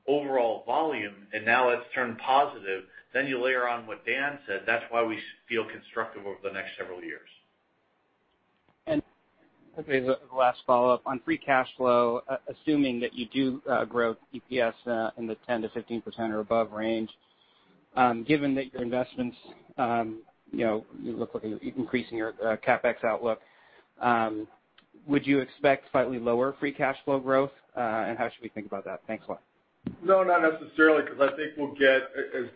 overall volume and now it's turned positive, then you layer on what Dan said, that's why we feel constructive over the next several years. Okay, the last follow-up. On free cash flow, assuming that you do grow EPS in the 10%-15% or above range. Given that your investments look like you're increasing your CapEx outlook, would you expect slightly lower free cash flow growth? How should we think about that? Thanks a lot. No, not necessarily, because I think we'll get, as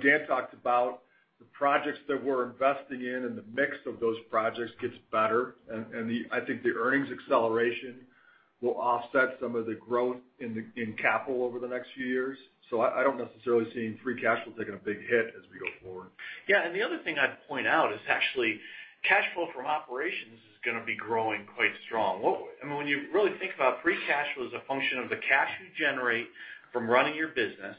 Dan talked about, the projects that we're investing in and the mix of those projects gets better, and I think the earnings acceleration will offset some of the growth in capital over the next few years. I don't necessarily see free cash flow taking a big hit as we go forward. Yeah, and the other thing I'd point out is actually cash flow from operations is going to be growing quite strong. When you really think about free cash flow as a function of the cash you generate from running your business,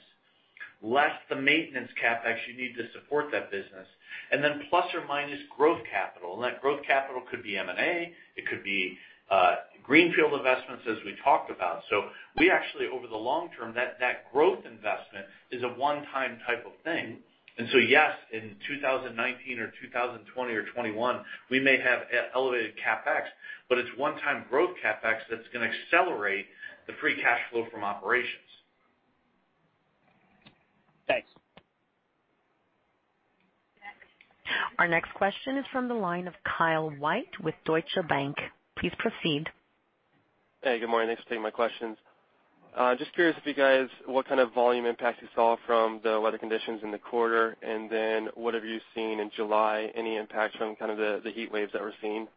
less the maintenance CapEx you need to support that business, and then plus or minus growth capital. That growth capital could be M&A, it could be greenfield investments, as we talked about. We actually, over the long term, that growth investment is a one-time type of thing. Yes, in 2019 or 2020 or 2021, we may have elevated CapEx, but it's one-time growth CapEx that's going to accelerate the free cash flow from operations. Thanks. Next. Our next question is from the line of Kyle White with Deutsche Bank. Please proceed. Hey, good morning. Thanks for taking my questions. Just curious if you guys, what kind of volume impact you saw from the weather conditions in the quarter? What have you seen in July, any impact from kind of the heat waves that we're seeing?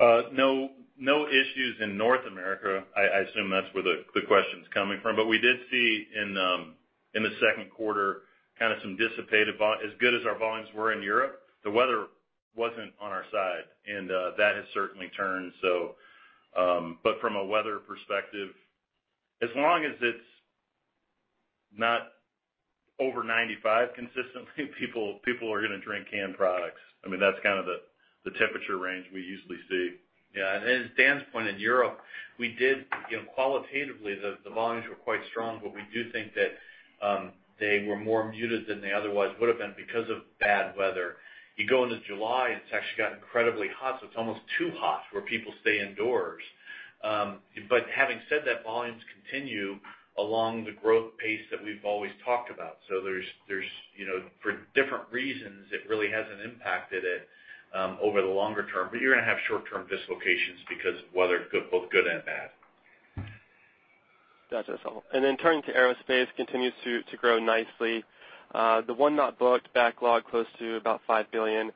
No issues in North America. I assume that's where the question's coming from. We did see in the second quarter, as good as our volumes were in Europe, the weather wasn't on our side, and that has certainly turned. From a weather perspective, as long as it's not over 95 consistently, people are gonna drink canned products. That's kind of the temperature range we usually see. Yeah. Dan's point, in Europe, we did qualitatively, the volumes were quite strong, but we do think that they were more muted than they otherwise would have been because of bad weather. You go into July, it's actually got incredibly hot, so it's almost too hot where people stay indoors. Having said that, volumes continue along the growth pace that we've always talked about. For different reasons, it really hasn't impacted it over the longer term, but you're going to have short-term dislocations because of weather, both good and bad. Gotcha. Turning to aerospace, continues to grow nicely. The won not booked backlog close to about $5 billion.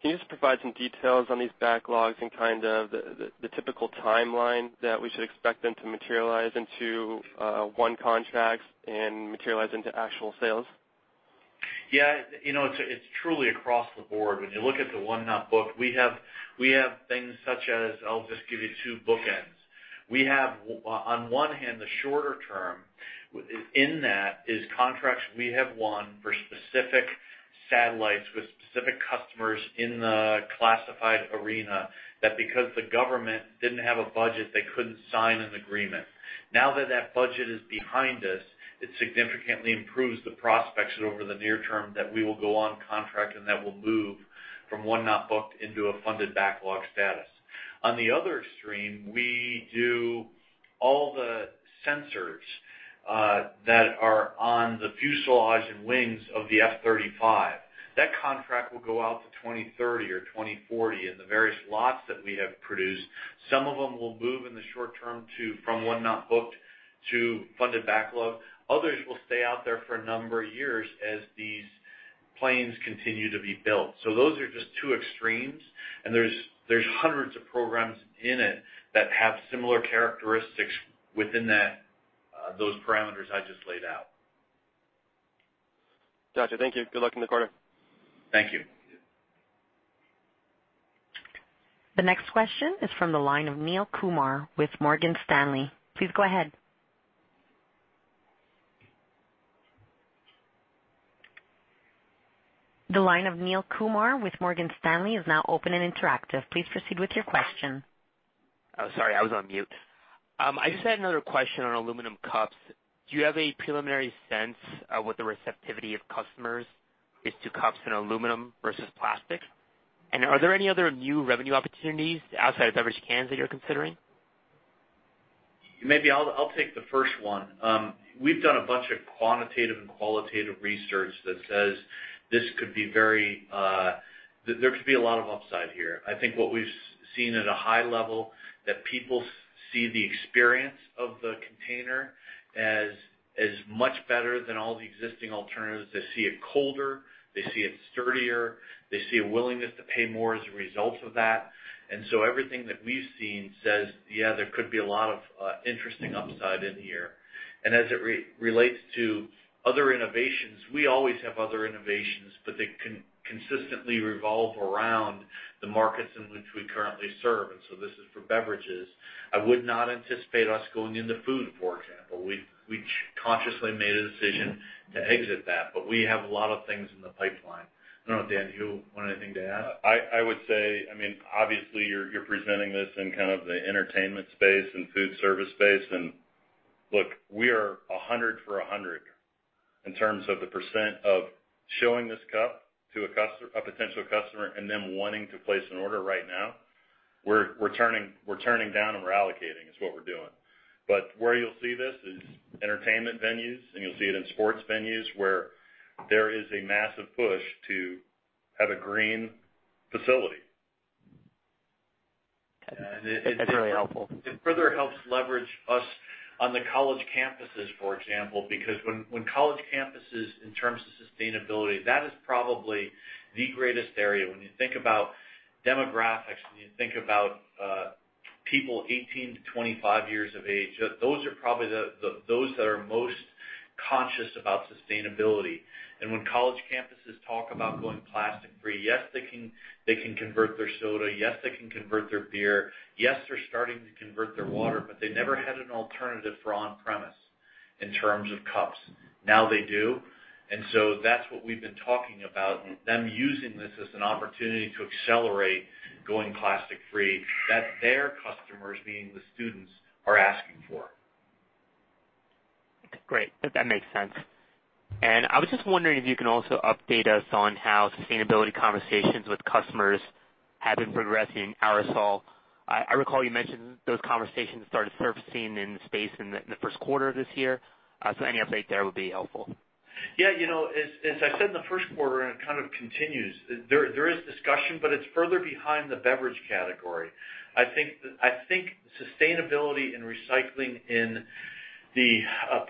Can you just provide some details on these backlogs and kind of the typical timeline that we should expect them to materialize into won contracts and materialize into actual sales? Yeah. It's truly across the board. When you look at the won not booked, we have things such as, I'll just give you two bookends. We have, on one hand, the shorter term. In that is contracts we have won for specific satellites with specific customers in the classified arena that because the government didn't have a budget, they couldn't sign an agreement. Now that that budget is behind us, it significantly improves the prospects that over the near term that we will go on contract and that will move from won not booked into a funded backlog status. On the other extreme, we do all the sensors that are on the fuselage and wings of the F-35. That contract will go out to 2030 or 2040 in the various lots that we have produced. Some of them will move in the short term from won not booked to funded backlog. Others will stay out there for a number of years as these planes continue to be built. Those are just two extremes, and there's hundreds of programs in it that have similar characteristics within those parameters I just laid out. Gotcha. Thank you. Good luck in the quarter. Thank you. Thank you. The next question is from the line of Neel Kumar with Morgan Stanley. Please go ahead. The line of Neel Kumar with Morgan Stanley is now open and interactive. Please proceed with your question. Oh, sorry, I was on mute. I just had another question on aluminum cups. Do you have a preliminary sense of what the receptivity of customers is to cups in aluminum versus plastic? Are there any other new revenue opportunities outside of beverage cans that you're considering? Maybe I'll take the first one. We've done a bunch of quantitative and qualitative research that says there could be a lot of upside here. I think what we've seen at a high level, that people see the experience of the container as much better than all the existing alternatives. They see it colder. They see it sturdier. They see a willingness to pay more as a result of that. So everything that we've seen says, yeah, there could be a lot of interesting upside in here. As it relates to other innovations, we always have other innovations, but they consistently revolve around the markets in which we currently serve, this is for beverages. I would not anticipate us going into food, for example. We consciously made a decision to exit that, but we have a lot of things in the pipeline. I don't know, Dan, do you want anything to add? I would say, obviously, you're presenting this in kind of the entertainment space and food service space. Look, we are 100 for 100 in terms of the percent of showing this cup to a potential customer and them wanting to place an order right now. We're turning down and we're allocating, is what we're doing. Where you'll see this is entertainment venues, and you'll see it in sports venues, where there is a massive push to have a green facility. That's really helpful. It further helps leverage us on the college campuses, for example, because when college campuses, in terms of sustainability, that is probably the greatest area. When you think about demographics, when you think about people 18 to 25 years of age, those that are most conscious about sustainability. When college campuses talk about going plastic free, yes, they can convert their soda. Yes, they can convert their beer. Yes, they're starting to convert their water, but they never had an alternative for on-premise, in terms of cups. Now they do. That's what we've been talking about, and them using this as an opportunity to accelerate going plastic free, that their customers, being the students, are asking for. Great. That makes sense. I was just wondering if you can also update us on how sustainability conversations with customers have been progressing. I recall you mentioned those conversations started surfacing in the space in the first quarter of this year. Any update there would be helpful. Yeah. As I said in the first quarter, and it kind of continues, there is discussion, but it's further behind the beverage category. I think sustainability and recycling in the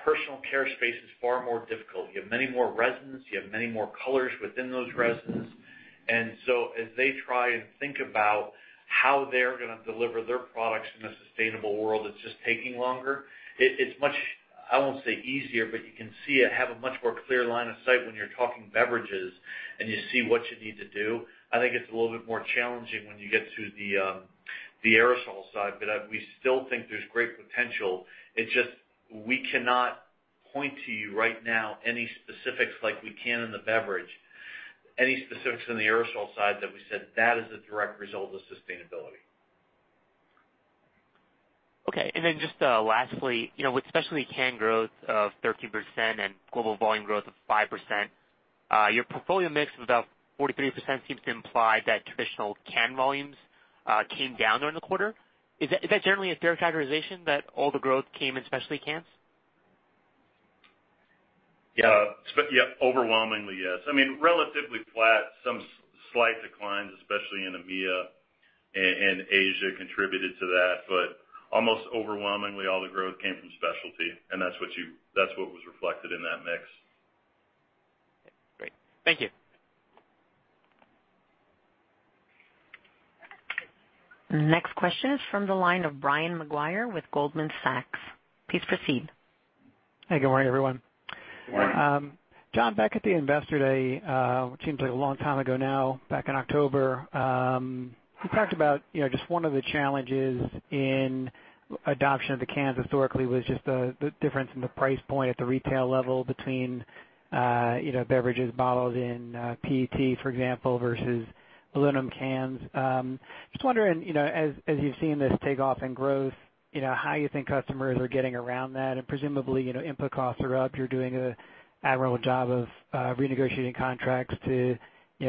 personal care space is far more difficult. You have many more resins, you have many more colors within those resins. As they try and think about how they're going to deliver their products in a sustainable world, it's just taking longer. It's much, I won't say easier, but you can see it have a much more clear line of sight when you're talking beverages and you see what you need to do. I think it's a little bit more challenging when you get to the aerosol side, but we still think there's great potential. It's just we cannot point to you right now any specifics like we can in the beverage. Any specifics in the aerosol side that we said that is a direct result of sustainability. Just lastly, with specialty can growth of 13% and global volume growth of 5%, your portfolio mix of about 43% seems to imply that traditional can volumes came down during the quarter. Is that generally a fair characterization, that all the growth came in specialty cans? Yeah. Overwhelmingly, yes. I mean, relatively flat. Some slight declines, especially in EMEA and Asia, contributed to that. Almost overwhelmingly, all the growth came from specialty, and that's what was reflected in that mix. Great. Thank you. Next question is from the line of Brian Maguire with Goldman Sachs. Please proceed. Hey, good morning, everyone. Good morning. John, back at the Investor Day, seems like a long time ago now, back in October, you talked about just one of the challenges in adoption of the cans historically was just the difference in the price point at the retail level between beverages bottled in PET, for example, versus aluminum cans. Just wondering, as you've seen this take off in growth, how you think customers are getting around that, and presumably, input costs are up. You're doing an admirable job of renegotiating contracts to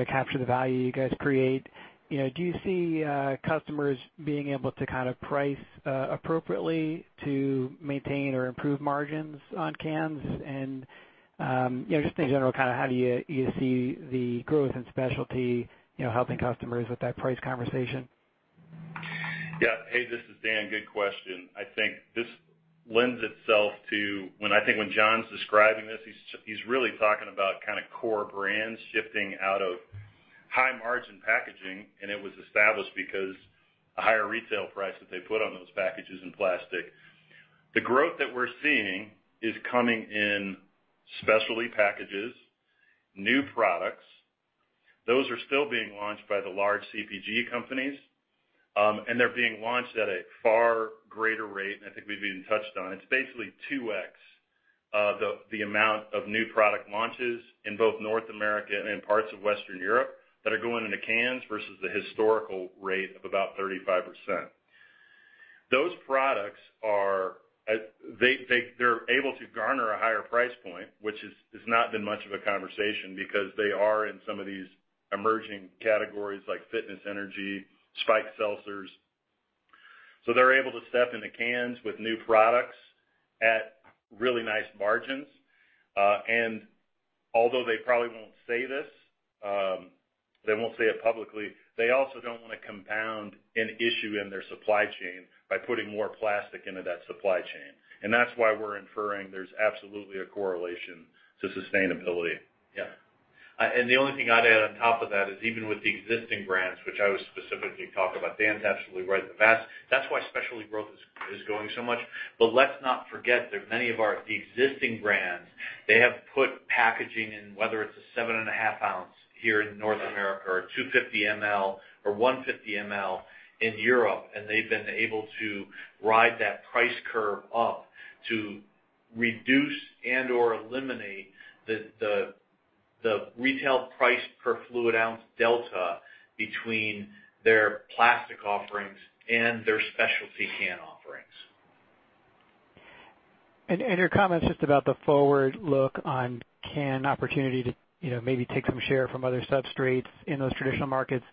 capture the value you guys create. Do you see customers being able to price appropriately to maintain or improve margins on cans? Just in general, how do you see the growth in specialty helping customers with that price conversation? Hey, this is Dan. Good question. I think when John's describing this, he's really talking about core brands shifting out of high margin packaging. It was established because a higher retail price that they put on those packages in plastic. The growth that we're seeing is coming in specialty packages, new products. Those are still being launched by the large CPG companies. They're being launched at a far greater rate than I think we've even touched on. It's basically 2x the amount of new product launches in both North America and in parts of Western Europe that are going into cans versus the historical rate of about 35%. Those products, they're able to garner a higher price point, which has not been much of a conversation because they are in some of these emerging categories like fitness energy, spiked seltzers. They're able to step into cans with new products at really nice margins. Although they probably won't say this, they won't say it publicly, they also don't want to compound an issue in their supply chain by putting more plastic into that supply chain. That's why we're inferring there's absolutely a correlation to sustainability. Yeah. The only thing I'd add on top of that is even with the existing brands, which I would specifically talk about, Dan's absolutely right. That's why specialty growth is growing so much. Let's not forget that many of our existing brands, they have put packaging in, whether it's a seven and a half ounce here in North America or 250 ml or 150 ml in Europe, and they've been able to ride that price curve up to reduce and/or eliminate the retail price per fluid ounce delta between their plastic offerings and their specialty can offerings. Your comments just about the forward look on can opportunity to maybe take some share from other substrates in those traditional markets?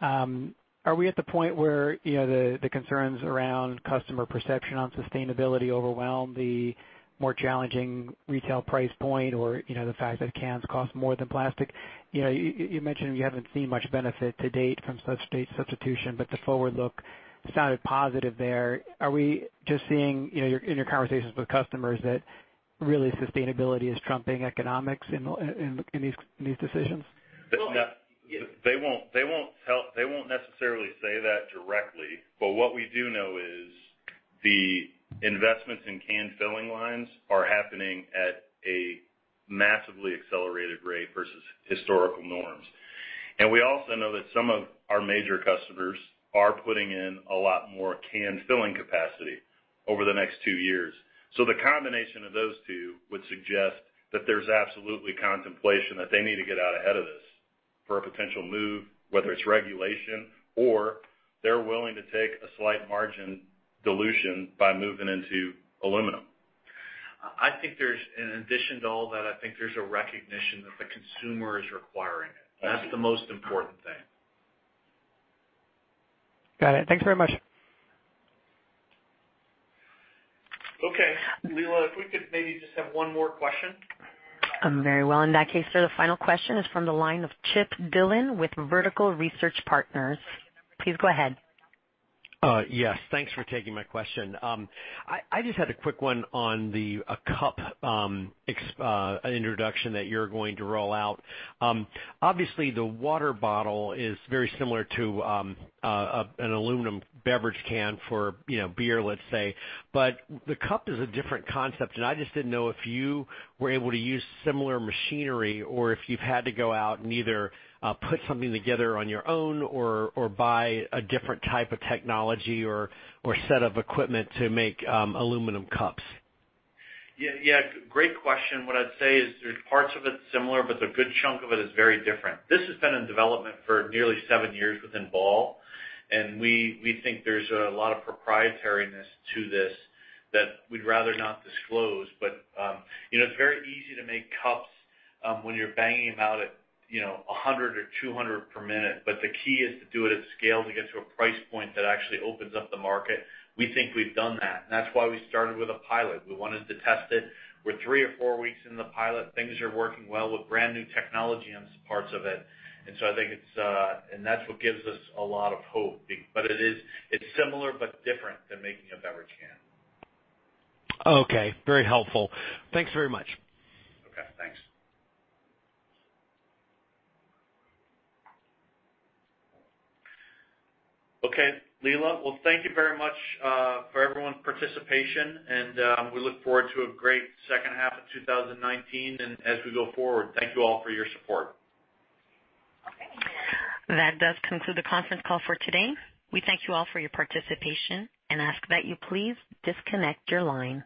Are we at the point where the concerns around customer perception on sustainability overwhelm the more challenging retail price point or the fact that cans cost more than plastic? You mentioned you haven't seen much benefit to date from substrate substitution. The forward look sounded positive there? Are we just seeing, in your conversations with customers, that really sustainability is trumping economics in these decisions? They won't necessarily say that directly, but what we do know is the investments in can filling lines are happening at a massively accelerated rate versus historical norms. We also know that some of our major customers are putting in a lot more can filling capacity over the next two years. The combination of those two would suggest that there's absolutely contemplation that they need to get out ahead of this for a potential move, whether it's regulation or they're willing to take a slight margin dilution by moving into aluminum. In addition to all that, I think there's a recognition that the consumer is requiring it. That's the most important thing. Got it. Thanks very much. Okay. Lela, if we could maybe just have one more question. Very well. In that case, sir, the final question is from the line of Chip Dillon with Vertical Research Partners. Please go ahead. Yes. Thanks for taking my question. I just had a quick one on the cup introduction that you're going to roll out. Obviously, the water bottle is very similar to an aluminum beverage can for beer, let's say. The cup is a different concept, and I just didn't know if you were able to use similar machinery or if you've had to go out and either put something together on your own or buy a different type of technology or set of equipment to make aluminum cups. Yeah. Great question. What I'd say is there's parts of it similar, but the good chunk of it is very different. This has been in development for nearly seven years within Ball, and we think there's a lot of proprietariness to this that we'd rather not disclose. It's very easy to make cups when you're banging them out at 100 or 200 per minute. The key is to do it at scale to get to a price point that actually opens up the market. We think we've done that, and that's why we started with a pilot. We wanted to test it. We're three or four weeks in the pilot. Things are working well with brand new technology in parts of it. That's what gives us a lot of hope. It's similar but different than making a beverage can. Okay. Very helpful. Thanks very much. Okay. Thanks. Okay, Lela. Well, thank you very much for everyone's participation, and we look forward to a great second half of 2019 and as we go forward. Thank you all for your support. That does conclude the conference call for today. We thank you all for your participation and ask that you please disconnect your line.